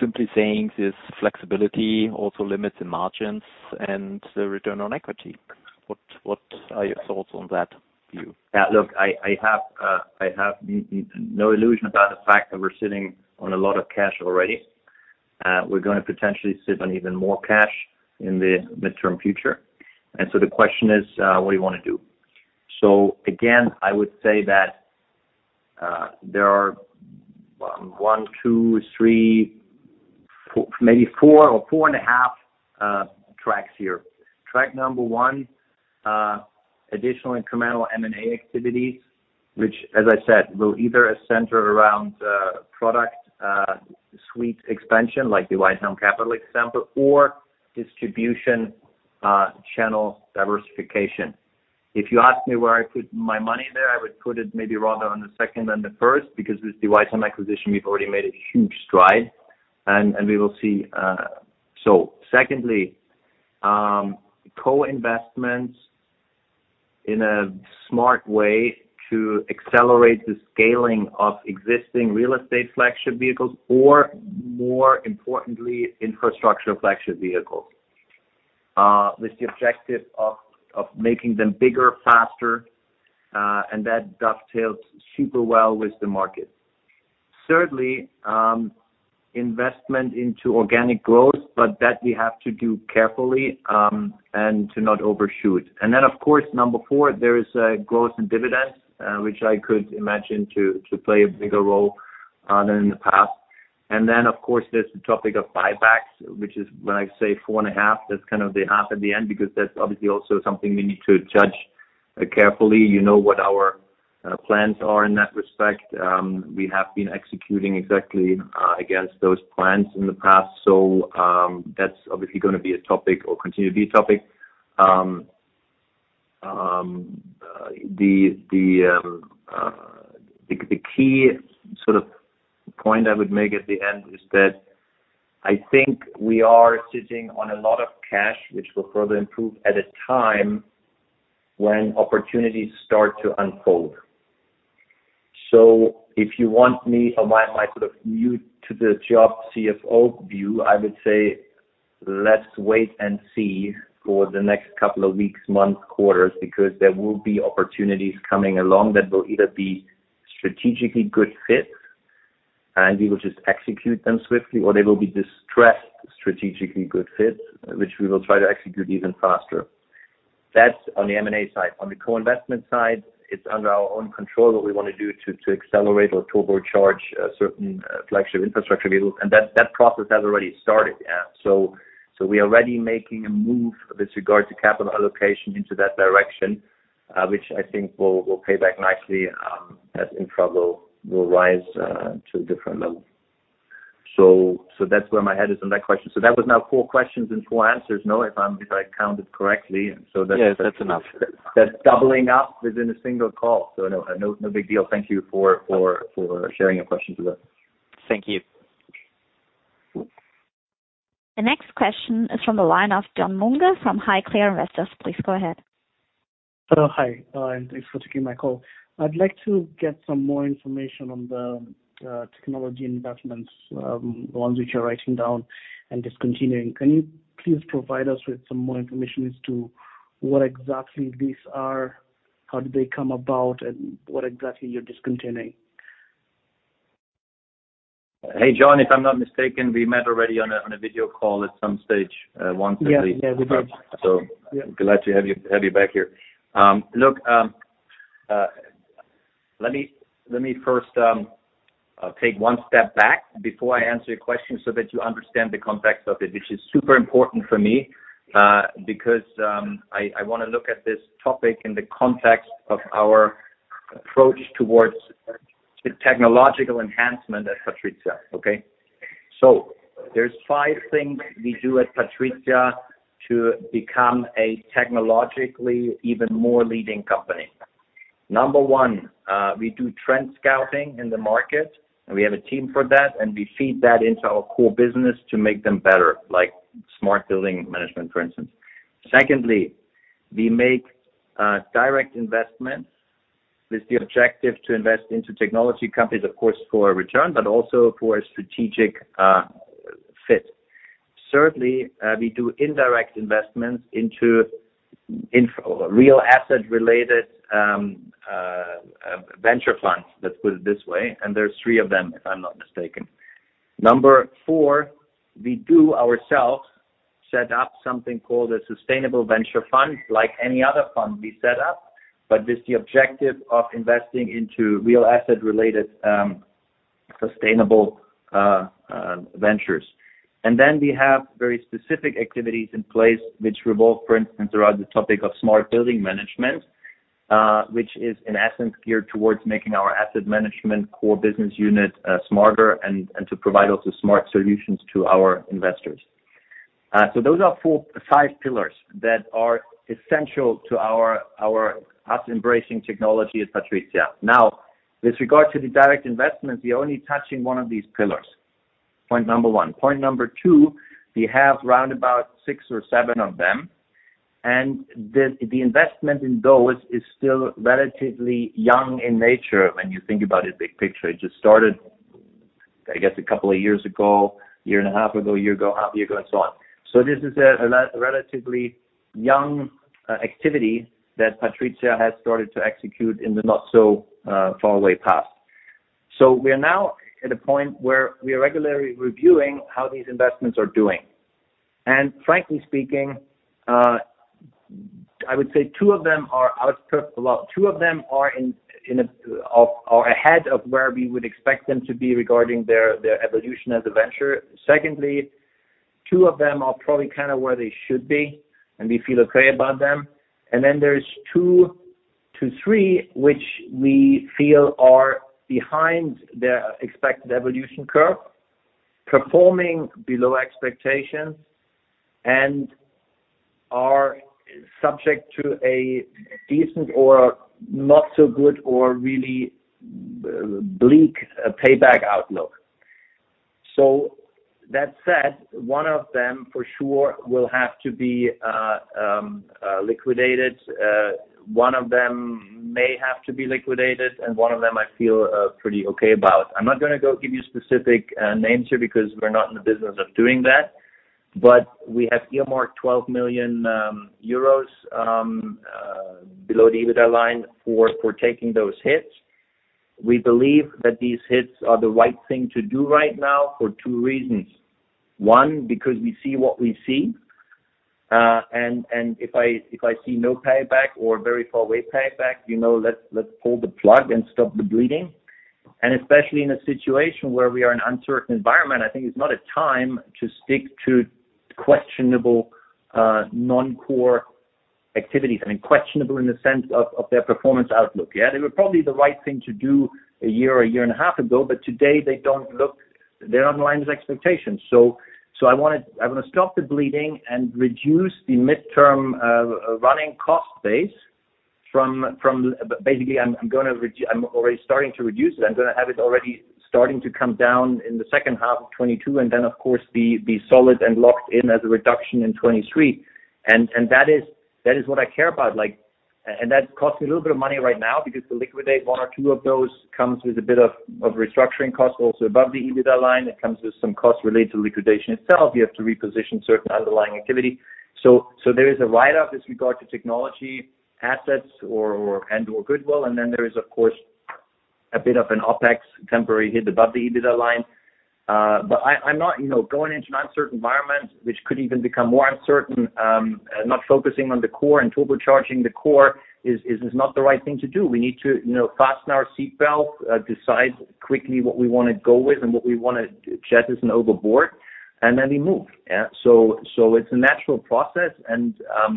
Simply saying this flexibility also limits the margins and the return on equity. What are your thoughts on that view? Yeah. Look, I have no illusion about the fact that we're sitting on a lot of cash already. We're gonna potentially sit on even more cash in the medium-term future. The question is, what do you wanna do? Again, I would say that there are 1, 2, 3, 4. Maybe 4 or 4.5 tracks here. Track number 1. Additional incremental M&A activities, which as I said, will either center around product suite expansion, like the Whitehelm Capital example or distribution channel diversification. If you ask me where I put my money there, I would put it maybe rather on the second than the first, because with the Whitehelm acquisition, we've already made a huge stride, and we will see. Secondly, co-investments in a smart way to accelerate the scaling of existing real estate flagship vehicles or more importantly, infrastructure flagship vehicles, with the objective of making them bigger, faster, and that dovetails super well with the market. Thirdly, investment into organic growth, but that we have to do carefully, and to not overshoot. Of course, number four, there is a growth in dividends, which I could imagine to play a bigger role than in the past. Of course, there's the topic of buybacks, which is when I say four and a half, that's kind of the half at the end, because that's obviously also something we need to judge carefully. You know what our plans are in that respect. We have been executing exactly against those plans in the past. That's obviously gonna be a topic or continue to be a topic. The key sort of point I would make at the end is that I think we are sitting on a lot of cash, which will further improve at a time when opportunities start to unfold. If you want me or my sort of new-to-the-job CFO view, I would say let's wait and see for the next couple of weeks, months, quarters, because there will be opportunities coming along that will either be strategically good fits, and we will just execute them swiftly, or they will be distressed, strategically good fits, which we will try to execute even faster. That's on the M&A side. On the co-investment side, it's under our own control, what we wanna do to accelerate or turbocharge certain flagship infrastructure vehicles. That process has already started. We are already making a move with regard to capital allocation into that direction, which I think will pay back nicely, as infra will rise to a different level. That's where my head is on that question. That was now four questions and four answers, no? If I counted correctly. Yes, that's enough. That's doubling up within a single call. No big deal. Thank you for sharing your questions with us. Thank you. The next question is from the line of John Munge from Highclere Investors. Please go ahead. Hello. Hi, and thanks for taking my call. I'd like to get some more information on the, technology investments, the ones which you're writing down and discontinuing. Can you please provide us with some more information as to what exactly these are? How did they come about, and what exactly you're discontinuing? Hey, John, if I'm not mistaken, we met already on a video call at some stage, once at least. Yeah. Yeah, we did. Glad to have you back here. Look, let me first take one step back before I answer your question so that you understand the context of it, which is super important for me, because I wanna look at this topic in the context of our approach towards the technological enhancement at PATRIZIA, okay? There's five things we do at PATRIZIA to become a technologically even more leading company. Number one, we do trend scouting in the market, and we have a team for that, and we feed that into our core business to make them better, like smart building management, for instance. Secondly, we make direct investments with the objective to invest into technology companies, of course, for a return, but also for a strategic fit. Thirdly, we do indirect investments into or real asset-related venture funds. Let's put it this way, and there are three of them, if I'm not mistaken. Number four, we do ourselves set up something called a sustainable venture fund, like any other fund we set up, but with the objective of investing into real asset-related sustainable ventures. We have very specific activities in place which revolve, for instance, around the topic of smart building management, which is in essence geared towards making our asset management core business unit smarter and to provide also smart solutions to our investors. Those are five pillars that are essential to us embracing technology at PATRIZIA. Now, with regard to the direct investments, we're only touching one of these pillars, point number one. Point number two, we have around about 6 or 7 of them, and the investment in those is still relatively young in nature when you think about it big picture. It just started, I guess, a couple of years ago, year and a half ago, a year ago, half year ago, and so on. This is a relatively young activity that PATRIZIA has started to execute in the not so far away past. We are now at a point where we are regularly reviewing how these investments are doing. Frankly speaking, I would say two of them are well ahead of where we would expect them to be regarding their evolution as a venture. Second, two of them are probably kind of where they should be, and we feel okay about them. Then there's 2-3, which we feel are behind their expected evolution curve, performing below expectations and are subject to a decent or not so good or really bleak payback outlook. That said, one of them for sure will have to be liquidated, one of them may have to be liquidated, and one of them I feel pretty okay about. I'm not gonna go give you specific names here because we're not in the business of doing that. We have earmarked 12 million euros below the EBITDA line for taking those hits. We believe that these hits are the right thing to do right now for two reasons. One, because we see what we see. If I see no payback or very far away payback, let's pull the plug and stop the bleeding. Especially in a situation where we are in uncertain environment, I think it's not a time to stick to questionable non-core activities. I mean, questionable in the sense of their performance outlook. Yeah, they were probably the right thing to do a year or a year and a half ago, but today they don't look. They're not in line with expectations. I wanna stop the bleeding and reduce the midterm running cost base from. Basically, I'm already starting to reduce it. I'm gonna have it already starting to come down in the second half of 2022, and then of course be solid and locked in as a reduction in 2023. That is what I care about, like. That costs me a little bit of money right now because to liquidate one or two of those comes with a bit of restructuring costs also above the EBITDA line. It comes with some costs related to liquidation itself. You have to reposition certain underlying activity. There is a write-off with regard to technology assets or and/or goodwill, and then there is, of course, a bit of an OpEx temporary hit above the EBITDA line. I'm not, you know, going into an uncertain environment which could even become more uncertain, not focusing on the core and turbocharging the core is not the right thing to do. We need to, you know, fasten our seatbelt, decide quickly what we wanna go with and what we wanna jettison overboard, and then we move. Yeah. It's a natural process, and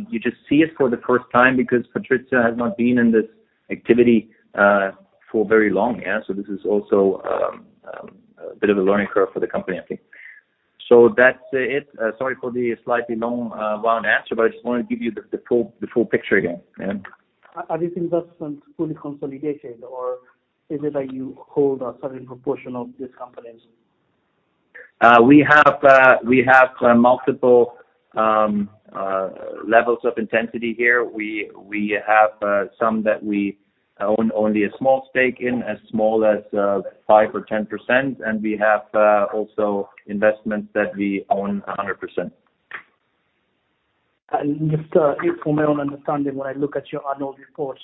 you just see it for the first time because PATRIZIA has not been in this activity for very long. Yeah. This is also a bit of a learning curve for the company, I think. That's it. Sorry for the slightly long, winding answer, but I just wanted to give you the full picture again. Yeah. Are these investments fully consolidated, or is it that you hold a certain proportion of these companies? We have multiple levels of intensity here. We have some that we own only a small stake in, as small as 5 or 10%, and we have also investments that we own 100%. Just, for my own understanding, when I look at your annual reports,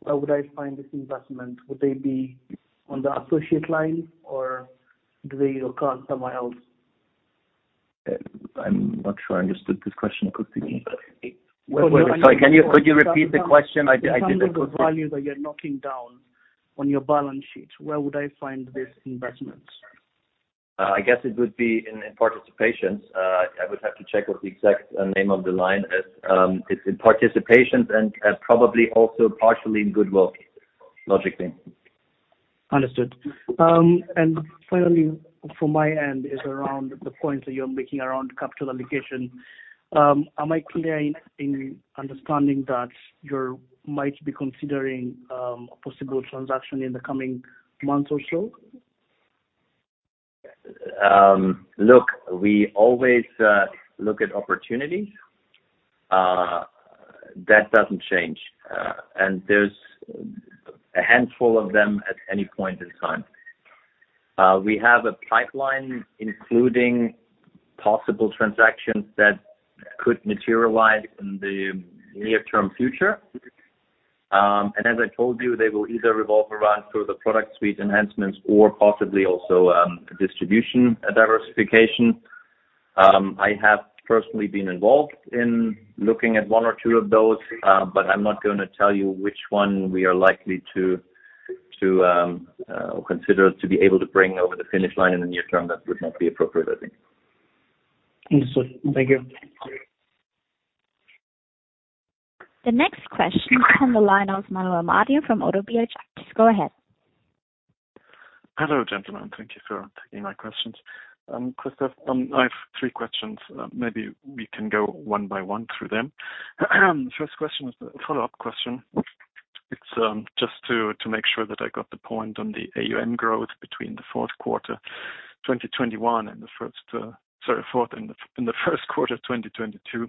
where would I find these investments? Would they be on the associate line or do they occur somewhere else? I'm not sure I understood this question completely. Wait. Sorry. Could you repeat the question? I didn't completely- In terms of the value that you're knocking down on your balance sheet, where would I find these investments? I guess it would be in participations. I would have to check what the exact name of the line is. It's in participations and probably also partially in goodwill, logically. Understood. Finally from my end is around the point that you're making around capital allocation. Am I correct in understanding that you might be considering a possible transaction in the coming months or so? Look, we always look at opportunities. That doesn't change. There's a handful of them at any point in time. We have a pipeline, including possible transactions that could materialize in the near-term future. As I told you, they will either revolve around further product suite enhancements or possibly also distribution diversification. I have personally been involved in looking at one or two of those, but I'm not gonna tell you which one we are likely to or consider to be able to bring over the finish line in the near term. That would not be appropriate, I think. Understood. Thank you. The next question comes from the line of Manuel Martin from Oddo BHF. Go ahead. Hello, gentlemen. Thank you for taking my questions. Christoph, I have three questions. Maybe we can go one by one through them. First question is a follow-up question. It's just to make sure that I got the point on the AUM growth between the fourth quarter 2021 and the first quarter 2022.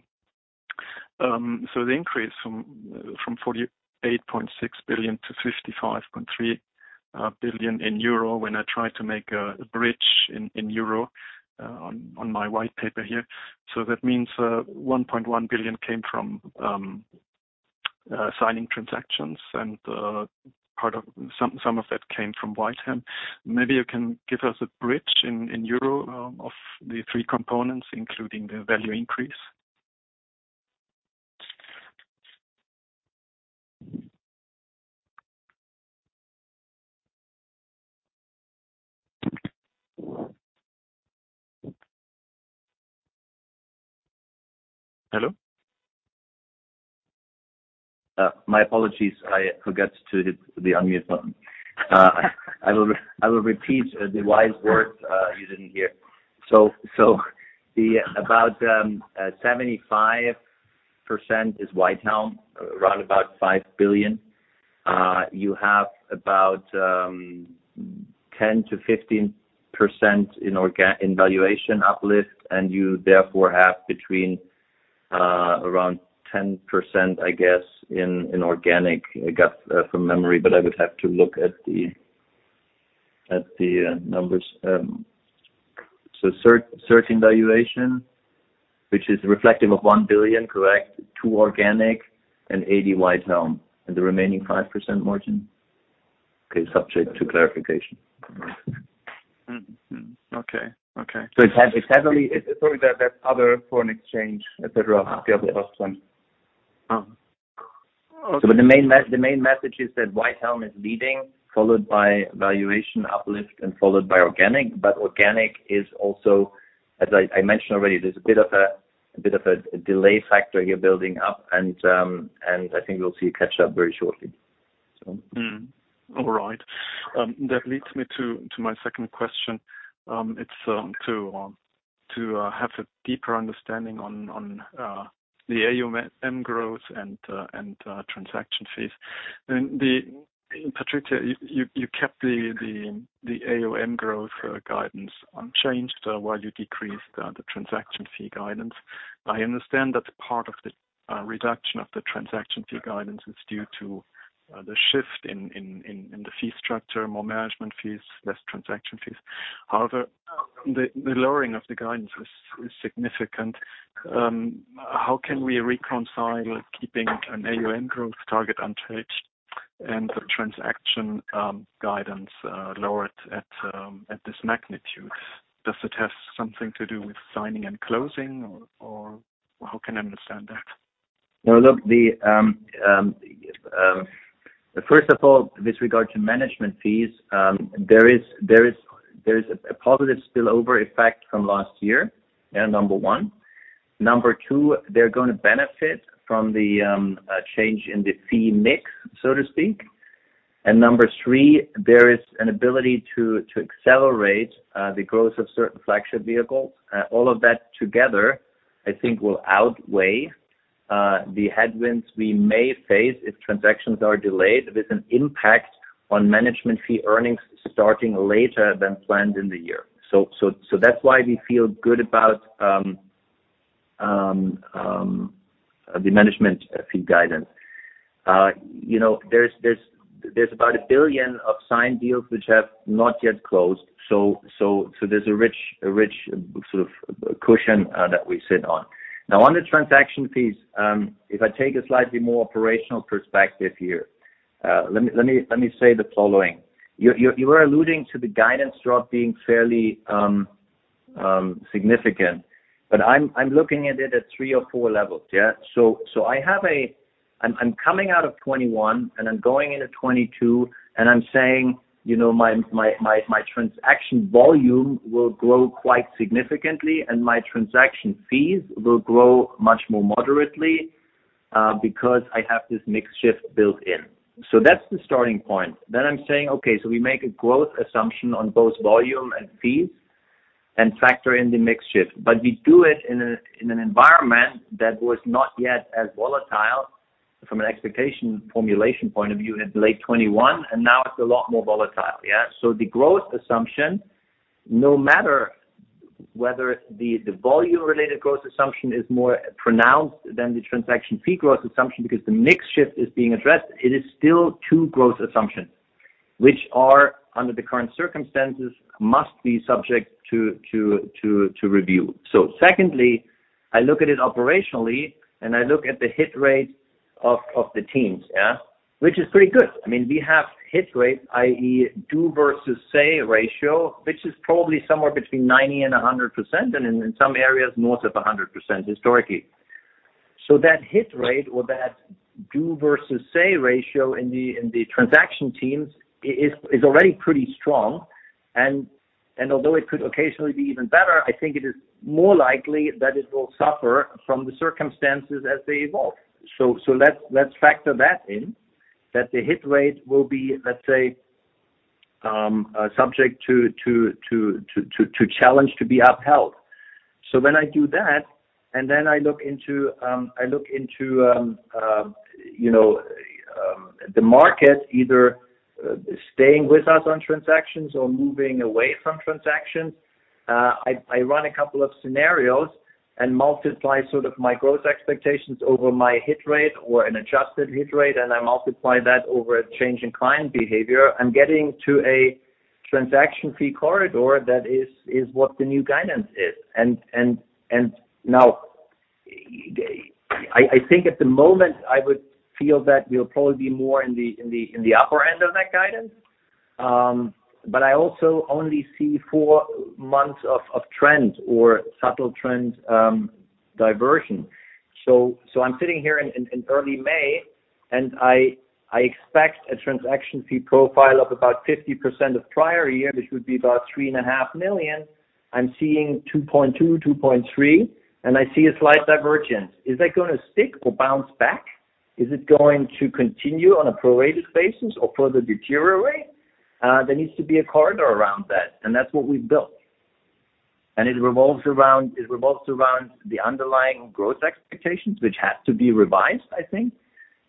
The increase from 48.6 billion to 55.3 billion euro when I try to make a bridge in EUR on my white paper here. That means 1.1 billion came from signing transactions and part of some of that came from Whitehelm. Maybe you can give us a bridge in EUR of the three components, including the value increase. My apologies. I forgot to hit the unmute button. I will repeat the wise words you didn't hear. About 75% is Whitehelm, around about 5 billion. You have about 10%-15% in organic valuation uplift, and you therefore have between around 10%, I guess, in organic, I guess, from memory, but I would have to look at the numbers. Certain valuation, which is reflective of 1 billion, correct? 2% organic and 80% Whitehelm, and the remaining 5% margin? Okay. Subject to clarification. Okay. Okay. It's heavily. Sorry. That's other foreign exchange, et cetera. Yes. One. Oh, okay. The main message is that Whitehelm is leading, followed by valuation uplift and followed by organic. Organic is also, as I mentioned already, there's a bit of a delay factor here building up, and I think we'll see it catch up very shortly. All right. That leads me to my second question. It's to have a deeper understanding on the AUM growth and transaction fees. PATRIZIA, you kept the AUM growth guidance unchanged while you decreased the transaction fee guidance. I understand that part of the reduction of the transaction fee guidance is due to the shift in the fee structure, more management fees, less transaction fees. However, the lowering of the guidance is significant. How can we reconcile keeping an AUM growth target unchanged and the transaction guidance lowered at this magnitude? Does it have something to do with signing and closing or how can I understand that? Now, look, First of all, with regard to management fees, there is a positive spillover effect from last year, yeah, number one. Number two, they're gonna benefit from the change in the fee mix, so to speak. Number three, there is an ability to accelerate the growth of certain flagship vehicles. All of that together, I think, will outweigh the headwinds we may face if transactions are delayed with an impact on management fee earnings starting later than planned in the year. That's why we feel good about the management fee guidance. You know, there's about 1 billion of signed deals which have not yet closed. There's a rich sort of cushion that we sit on. Now, on the transaction fees, if I take a slightly more operational perspective here, let me say the following. You're alluding to the guidance drop being fairly significant, but I'm looking at it at three or four levels, yeah? I'm coming out of 2021 and I'm going into 2022, and I'm saying, you know, my transaction volume will grow quite significantly and my transaction fees will grow much more moderately, because I have this mix shift built in. That's the starting point. I'm saying, okay, so we make a growth assumption on both volume and fees and factor in the mix shift. We do it in an environment that was not yet as volatile from an expectation formulation point of view in late 2021, and now it's a lot more volatile, yeah? The growth assumption, no matter whether the volume-related growth assumption is more pronounced than the transaction fee growth assumption because the mix shift is being addressed, it is still two growth assumptions, which are under the current circumstances, must be subject to review. Secondly, I look at it operationally, and I look at the hit rate of the teams, yeah? Which is pretty good. I mean, we have hit rates, i.e., do versus say ratio, which is probably somewhere between 90% and 100%, and in some areas north of 100% historically. That hit rate or that do versus say ratio in the transaction teams is already pretty strong. Although it could occasionally be even better, I think it is more likely that it will suffer from the circumstances as they evolve. Let's factor that in, that the hit rate will be, let's say, subject to challenge to be upheld. When I do that, and then I look into the market either staying with us on transactions or moving away from transactions, I run a couple of scenarios and multiply sort of my growth expectations over my hit rate or an adjusted hit rate, and I multiply that over a change in client behavior. I'm getting to a transaction fee corridor that is what the new guidance is. Now, I think at the moment I would feel that we'll probably be more in the upper end of that guidance. But I also only see four months of trends or subtle trends, divergence. I'm sitting here in early May, and I expect a transaction fee profile of about 50% of prior year, which would be about 3.5 million. I'm seeing 2.2 million, 2.3 million, and I see a slight divergence. Is that gonna stick or bounce back? Is it going to continue on a prorated basis or further deteriorate? There needs to be a corridor around that, and that's what we've built. It revolves around the underlying growth expectations, which have to be revised I think.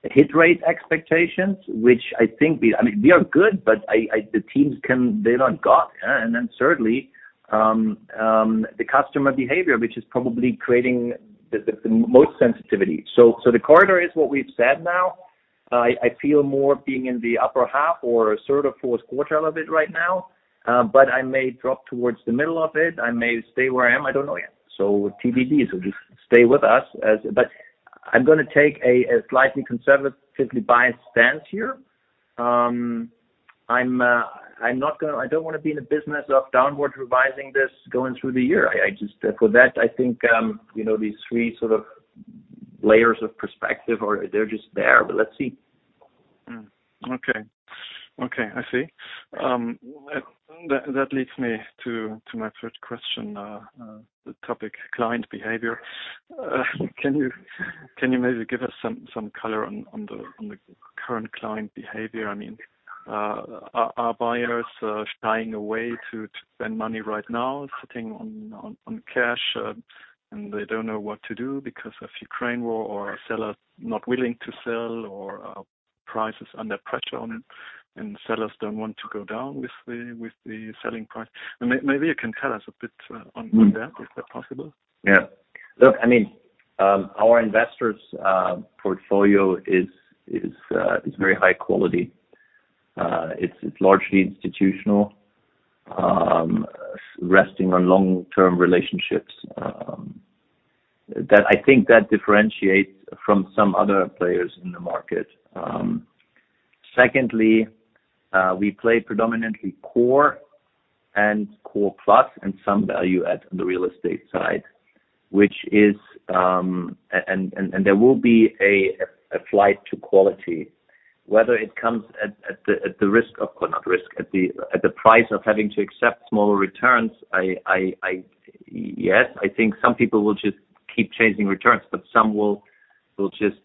The hit rate expectations, which I think I mean, we are good, but the teams they're not God. Then certainly, the customer behavior, which is probably creating the most sensitivity. The corridor is what we've said now. I feel more being in the upper half or sort of fourth quartile of it right now, but I may drop towards the middle of it. I may stay where I am. I don't know yet. TBD, just stay with us as. I'm gonna take a slightly conservatively biased stance here. I'm not gonna I don't wanna be in the business of downward revising this going through the year. I just. For that, I think, you know, these three sort of layers of perspective are, they're just there, but let's see. That leads me to my third question, the topic client behavior. Can you maybe give us some color on the current client behavior? I mean, are buyers shying away to spend money right now sitting on cash, and they don't know what to do because of Ukraine war or sellers not willing to sell or prices under pressure and sellers don't want to go down with the selling price? Maybe you can tell us a bit on that. Is that possible? Yeah. Look, I mean, our investors' portfolio is very high quality. It's largely institutional, resting on long-term relationships that I think differentiates from some other players in the market. Secondly, we play predominantly core and core plus and some value add on the real estate side, and there will be a flight to quality, whether it comes at the price of having to accept smaller returns. Yes, I think some people will just keep chasing returns, but some will just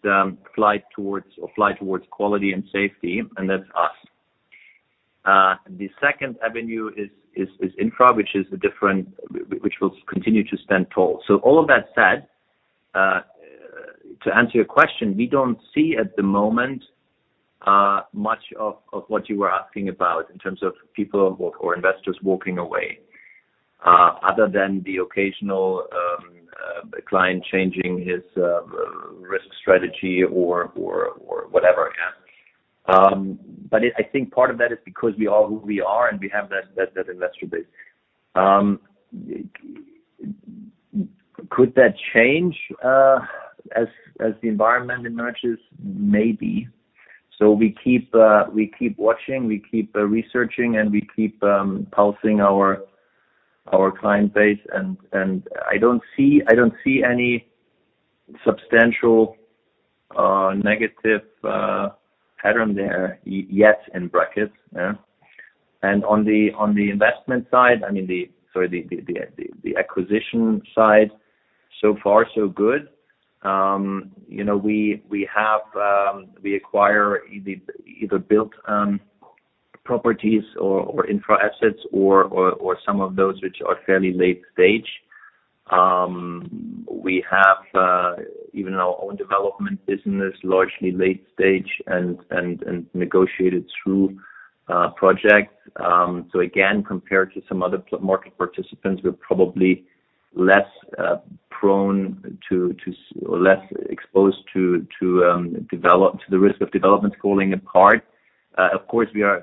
fly towards quality and safety, and that's us. The second avenue is infra which will continue to stand tall. All of that said, to answer your question, we don't see at the moment much of what you were asking about in terms of people or investors walking away, other than the occasional client changing his risk strategy or whatever. I think part of that is because we are who we are, and we have that investor base. Could that change as the environment emerges? Maybe. We keep watching, we keep researching, and we keep pulsing our client base. I don't see any substantial negative pattern there yet, yeah. On the investment side, I mean, the acquisition side, so far so good. You know, we have... We acquire either built properties or infra assets or some of those which are fairly late stage. We have even our own development business largely late stage and negotiated through projects. So again, compared to some other market participants, we're probably less prone to or less exposed to the risk of development falling apart. Of course, we are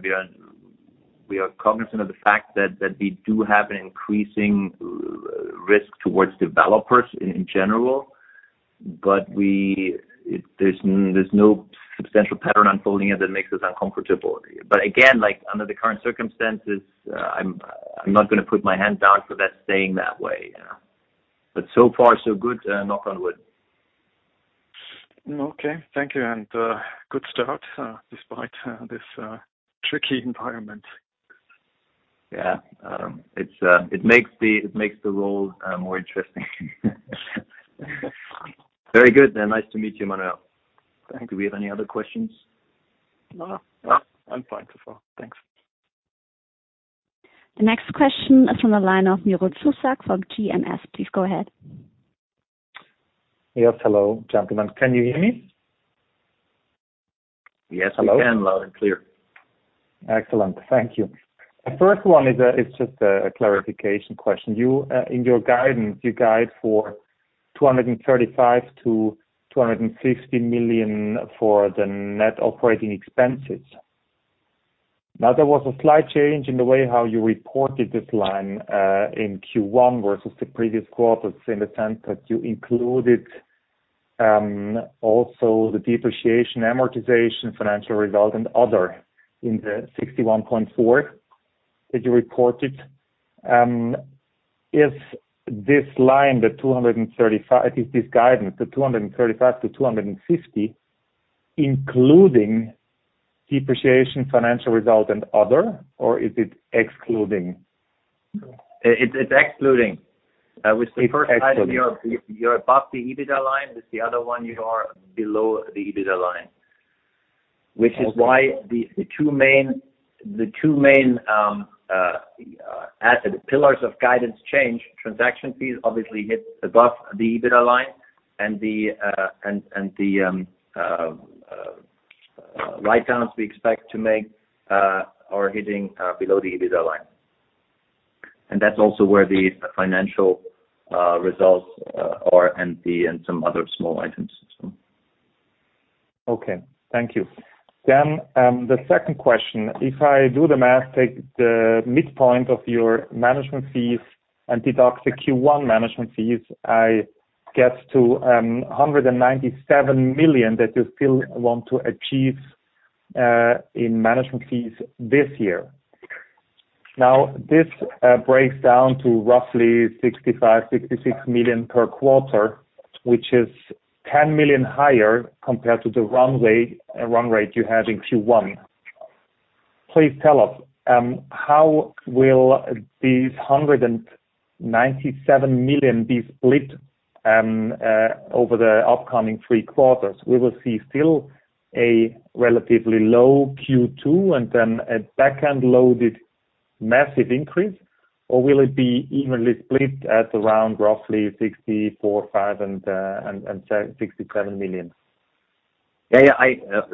cognizant of the fact that we do have an increasing risk towards developers in general, but there's no substantial pattern unfolding here that makes us uncomfortable. Again, like under the current circumstances, I'm not gonna put my hand down for that staying that way. So far so good, knock on wood. Okay. Thank you, and good start despite this tricky environment. Yeah. It makes the role more interesting. Very good. Nice to meet you, Manuel. Thank you. Do we have any other questions? No. No. I'm fine so far. Thanks. The next question is from the line of Miro Tušak from GMS. Please go ahead. Yes. Hello. Gentlemen, can you hear me? Yes, we can. Loud and clear. Excellent. Thank you. The first one is just a clarification question. You, in your guidance, you guide for 235 million-260 million for the net operating expenses. Now, there was a slight change in the way how you reported this line in Q1 versus the previous quarters in the sense that you included also the depreciation, amortization, financial result, and other in the 61.4 million that you reported. Is this guidance the 235 million-250 million, including depreciation, financial result, and other, or is it excluding? It's excluding. With the first item you're above the EBITA line, with the other one you are below the EBITA line. Okay. Which is why the two main pillars of guidance change. Transaction fees obviously hit above the EBITA line, and the write-downs we expect to make are hitting below the EBITA line. That's also where the financial results are and some other small items. Okay, thank you. The second question, if I do the math, take the midpoint of your management fees and deduct the Q1 management fees, I get to 197 million that you still want to achieve in management fees this year. Now, this breaks down to roughly 65 million, 66 million per quarter, which is 10 million higher compared to the run-rate you had in Q1. Please tell us how will these 197 million be split over the upcoming three quarters? We will see still a relatively low Q2 and then a back-end loaded massive increase, or will it be evenly split at around roughly 64 million, 65 million, and 67 million? Yeah,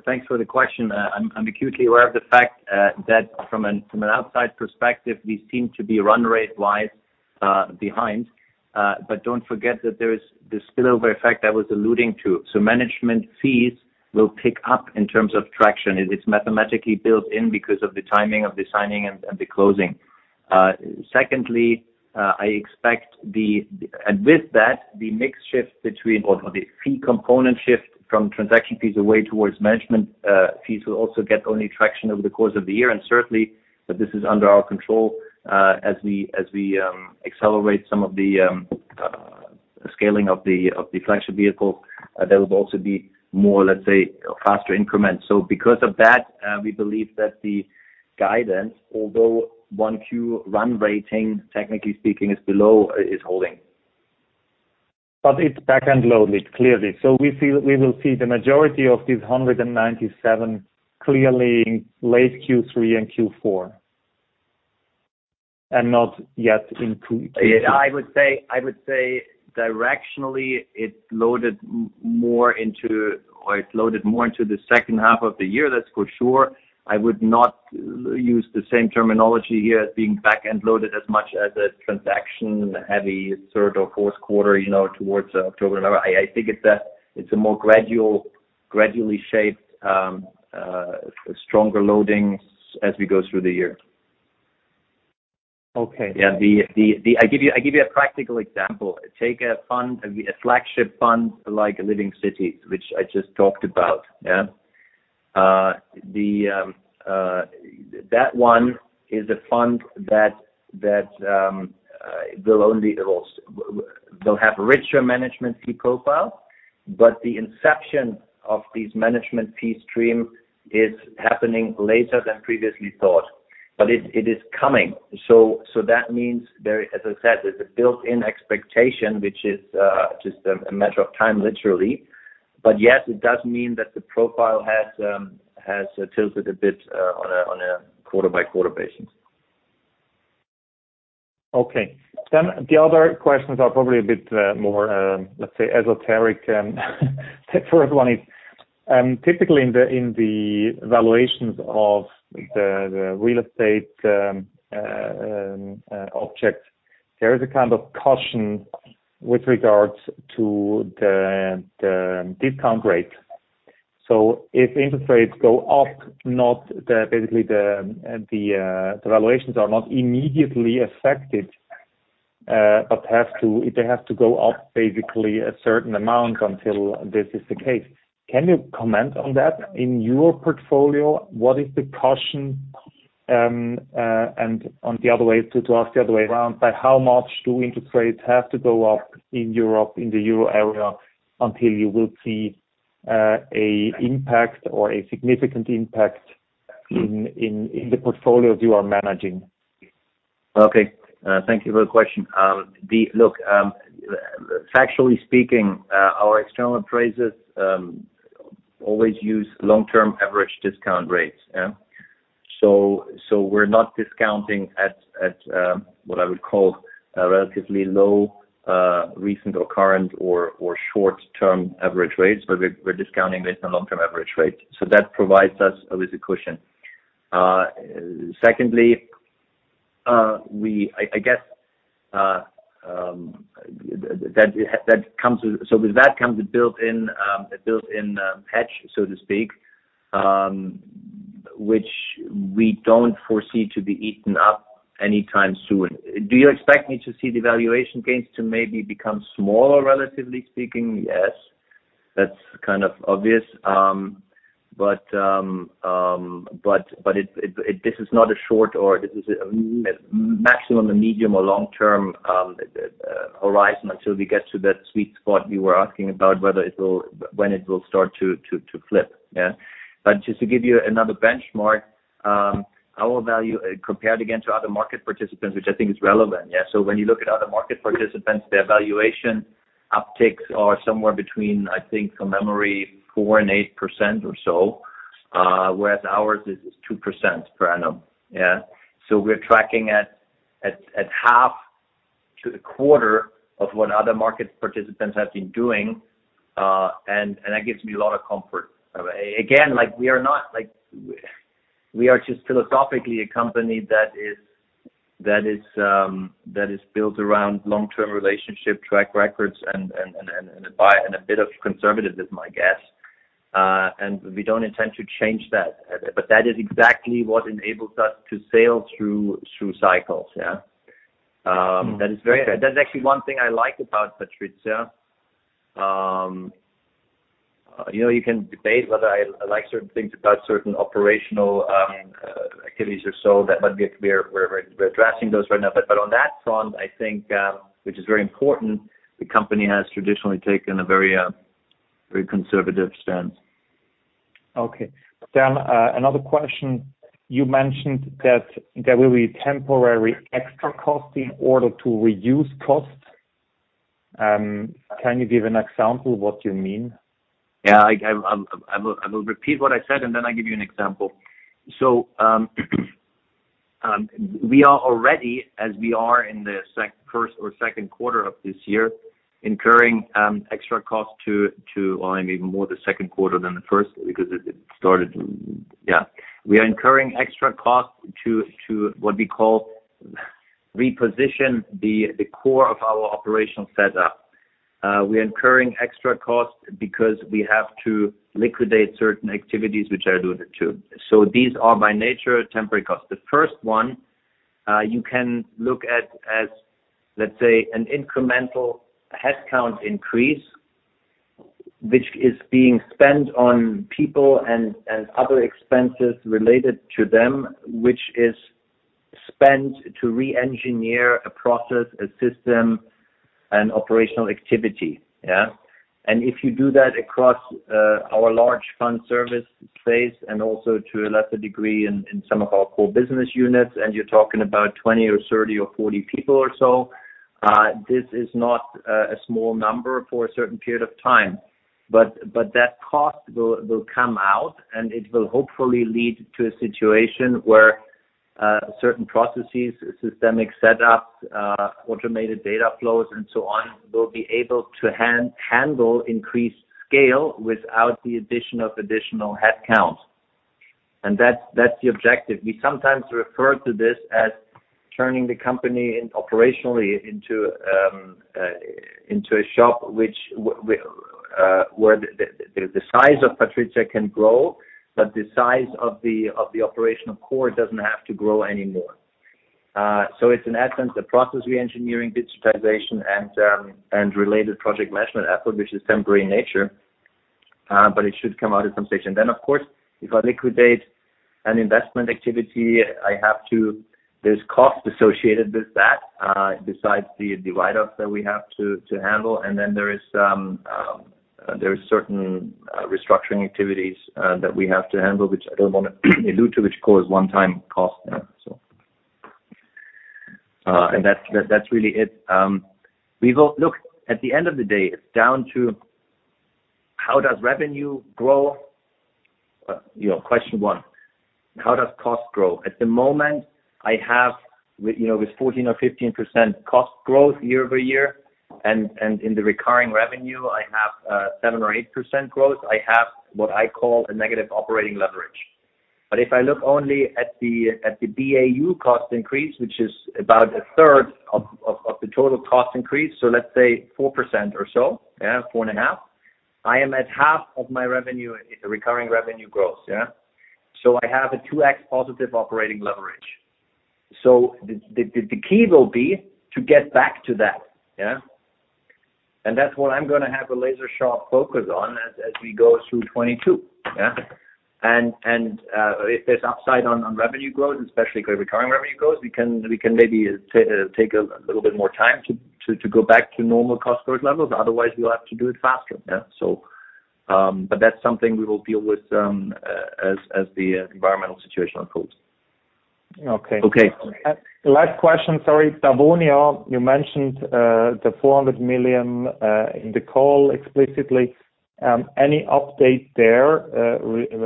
thanks for the question. I'm acutely aware of the fact that from an outside perspective, we seem to be run rate wide behind. Don't forget that there is the spillover effect I was alluding to. Management fees will pick up in terms of traction. It is mathematically built in because of the timing of the signing and the closing. Secondly, I expect the mix shift between or the fee component shift from transaction fees away towards management fees will also get only traction over the course of the year. Certainly that this is under our control, as we accelerate some of the scaling of the flagship vehicle, there will also be more, let's say, faster increments. Because of that, we believe that the guidance, although 1Q run rate technically speaking is below, is holding. It's back-end loaded, clearly. We will see the majority of these 197 million clearly in late Q3 and Q4, and not yet in Q2. Yeah. I would say directionally it's loaded more into, or it's loaded more into the second half of the year, that's for sure. I would not use the same terminology here as being back-end loaded as much as a transaction-heavy third or fourth quarter, you know, towards October. No, I think it's a more gradually shaped, stronger loadings as we go through the year. Okay. I'll give you a practical example. Take a fund, a flagship fund like Living Cities, which I just talked about. That one is a fund that will only lose. Well, they'll have a richer management fee profile, but the inception of these management fee stream is happening later than previously thought. It is coming. That means there, as I said, there's a built-in expectation, which is just a matter of time, literally. Yes, it does mean that the profile has tilted a bit on a quarter-by-quarter basis. Okay. The other questions are probably a bit more, let's say, esoteric. The first one is typically in the valuations of the real estate object, there is a kind of cushion with regards to the discount rate. If interest rates go up, the valuations are not immediately affected, but they have to go up a certain amount until this is the case. Can you comment on that? In your portfolio, what is the cushion, and the other way to ask the other way around, by how much do interest rates have to go up in Europe, in the Euro area until you will see an impact or a significant impact in the portfolios you are managing? Okay. Thank you for the question. Look, factually speaking, our external appraisers always use long-term average discount rates, yeah. We're not discounting at what I would call a relatively low recent or current or short-term average rates, but we're discounting based on long-term average rate. That provides us with a cushion. Secondly, I guess that comes with a built-in hedge, so to speak, which we don't foresee to be eaten up any time soon. Do you expect me to see the valuation gains to maybe become smaller, relatively speaking? Yes. That's kind of obvious. This is not a short or maximum, a medium or long-term horizon until we get to that sweet spot you were asking about when it will start to flip. Just to give you another benchmark, our value compared again to other market participants, which I think is relevant. When you look at other market participants, their valuation upticks are somewhere between, I think from memory, 4% and 8% or so, whereas ours is 2% per annum. We're tracking at half to a quarter of what other market participants have been doing, and that gives me a lot of comfort. Again, like, we are not like. We are just philosophically a company that is built around long-term relationship track records and a bit conservative, is my guess. We don't intend to change that. That is exactly what enables us to sail through cycles. That is very fair. That's actually one thing I like about PATRIZIA. You know, you can debate whether I like certain things about certain operational activities or so that might be an area where we're addressing those right now. On that front, I think, which is very important, the company has traditionally taken a very conservative stance. Okay. Another question. You mentioned that there will be temporary extra cost in order to reduce costs. Can you give an example what you mean? I will repeat what I said, and then I'll give you an example. We are already, as we are in the first or second quarter of this year, incurring extra cost, or even more the second quarter than the first because it started. We are incurring extra costs to what we call reposition the core of our operational setup. We are incurring extra costs because we have to liquidate certain activities which I alluded to. These are by nature temporary costs. The first one, you can look at as, let's say, an incremental headcount increase, which is being spent on people and other expenses related to them, which is spent to re-engineer a process, a system, an operational activity. If you do that across our large fund service space and also to a lesser degree in some of our core business units, and you're talking about 20 or 30 or 40 people or so, this is not a small number for a certain period of time. That cost will come out, and it will hopefully lead to a situation where certain processes, systemic setups, automated data flows and so on, will be able to handle increased scale without the addition of additional headcount. That's the objective. We sometimes refer to this as turning the company in operationally into a shop where the size of PATRIZIA can grow, but the size of the operational core doesn't have to grow anymore. It's in essence a process reengineering, digitization, and related project management effort, which is temporary in nature, but it should come out at some stage. Of course, if I liquidate an investment activity, there is cost associated with that, besides the write-offs that we have to handle. There's certain restructuring activities that we have to handle, which I don't wanna allude to, which cause one-time costs. That's really it. We will look at the end of the day down to how does revenue grow? You know, question one. How does cost grow? At the moment, I have, you know, 14% or 15% cost growth year-over-year, and in the recurring revenue, I have 7% or 8% growth. I have what I call a negative operating leverage. If I look only at the BAU cost increase, which is about a third of the total cost increase, so let's say 4% or so, yeah, 4.5, I am at half of my revenue in the recurring revenue growth. Yeah. I have a 2x positive operating leverage. The key will be to get back to that. Yeah. That's what I'm gonna have a laser sharp focus on as we go through 2022. Yeah. If there's upside on revenue growth, especially recurring revenue growth, we can maybe take a little bit more time to go back to normal cost growth levels. Otherwise, we'll have to do it faster. Yeah. That's something we will deal with, as the environmental situation unfolds. Okay. Okay. Last question. Sorry. Davonia, you mentioned 400 million in the call explicitly. Any update there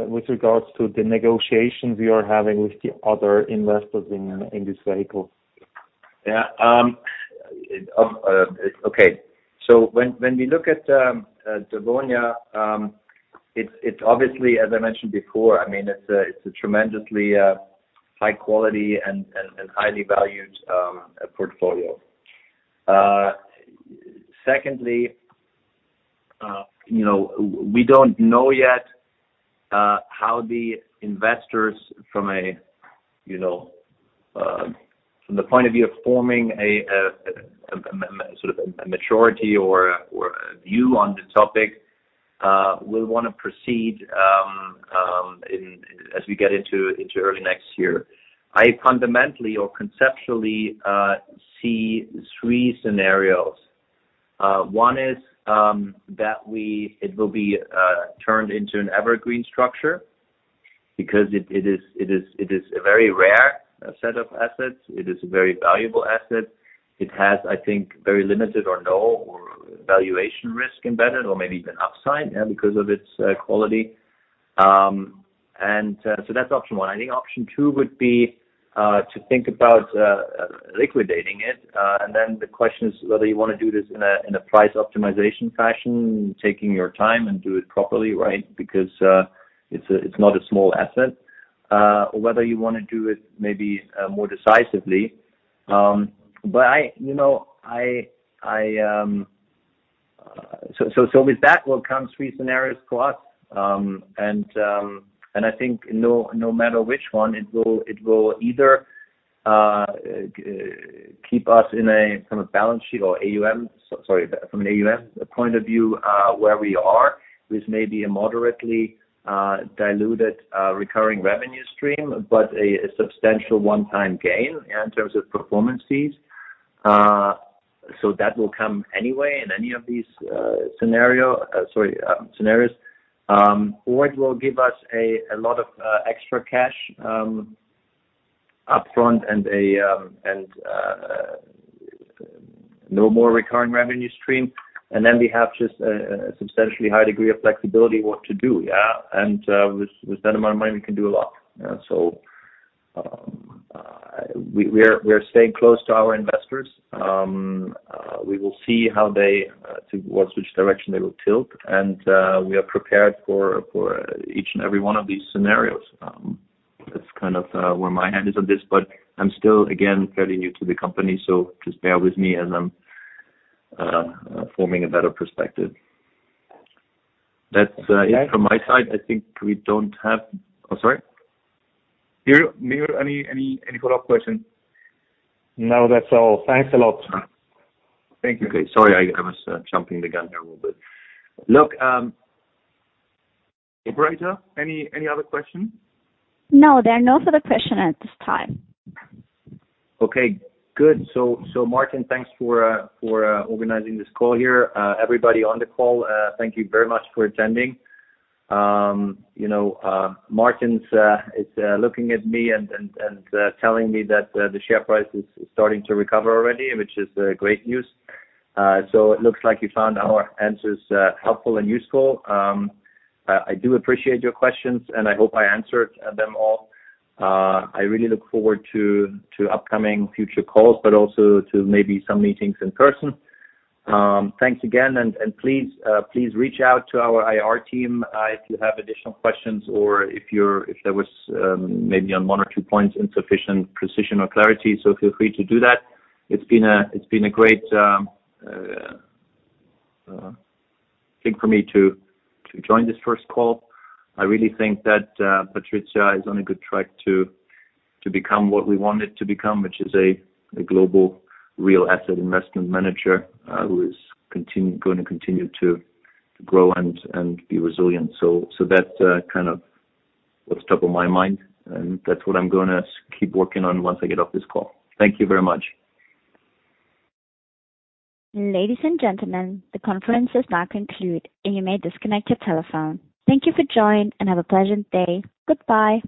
with regards to the negotiations you are having with the other investors in this vehicle? When we look at Davonia, it's obviously, as I mentioned before, I mean, it's a tremendously high quality and highly valued portfolio. Secondly, you know, we don't know yet how the investors from a point of view of forming a sort of a maturity or a view on the topic will wanna proceed as we get into early next year. I fundamentally or conceptually see three scenarios. One is that it will be turned into an evergreen structure because it is a very rare set of assets. It is a very valuable asset. It has, I think, very limited or no valuation risk embedded or maybe even upside, yeah, because of its quality. That's option one. I think option two would be to think about liquidating it, and then the question is whether you wanna do this in a price optimization fashion, taking your time and do it properly, right? Because it's not a small asset. Or whether you wanna do it maybe more decisively. You know, with that will come three scenarios to us. I think no matter which one, it will either keep us in a kind of balance sheet or AUM, from an AUM point of view, where we are with maybe a moderately diluted recurring revenue stream, but a substantial one-time gain in terms of performance fees. That will come anyway in any of these scenarios. Or it will give us a lot of extra cash upfront and no more recurring revenue stream. Then we have just a substantially high degree of flexibility what to do. With that amount of money, we can do a lot. We're staying close to our investors. We will see to which direction they will tilt. We are prepared for each and every one of these scenarios. That's kind of where my head is on this, but I'm still again, fairly new to the company, so just bear with me as I'm forming a better perspective. That's it from my side. I think we don't have. Oh, sorry. Miro, any follow-up question? No, that's all. Thanks a lot. Thank you. Okay. Sorry, I was jumping the gun there a little bit. Look, Operator, any other question? No, there are no further questions at this time. Okay, good. Martin, thanks for organizing this call here. Everybody on the call, thank you very much for attending. You know, Martin's looking at me and telling me that the share price is starting to recover already, which is great news. It looks like you found our answers helpful and useful. I do appreciate your questions, and I hope I answered them all. I really look forward to upcoming future calls, but also to maybe some meetings in person. Thanks again, and please reach out to our IR team if you have additional questions or if there was maybe on one or two points insufficient precision or clarity. Feel free to do that. It's been a great thing for me to join this first call. I really think that PATRIZIA is on a good track to become what we want it to become, which is a global real asset investment manager who is gonna continue to grow and be resilient. That's kind of what's top of my mind, and that's what I'm gonna keep working on once I get off this call. Thank you very much. Ladies and gentlemen, the conference is now concluded, and you may disconnect your telephone. Thank you for joining, and have a pleasant day. Goodbye.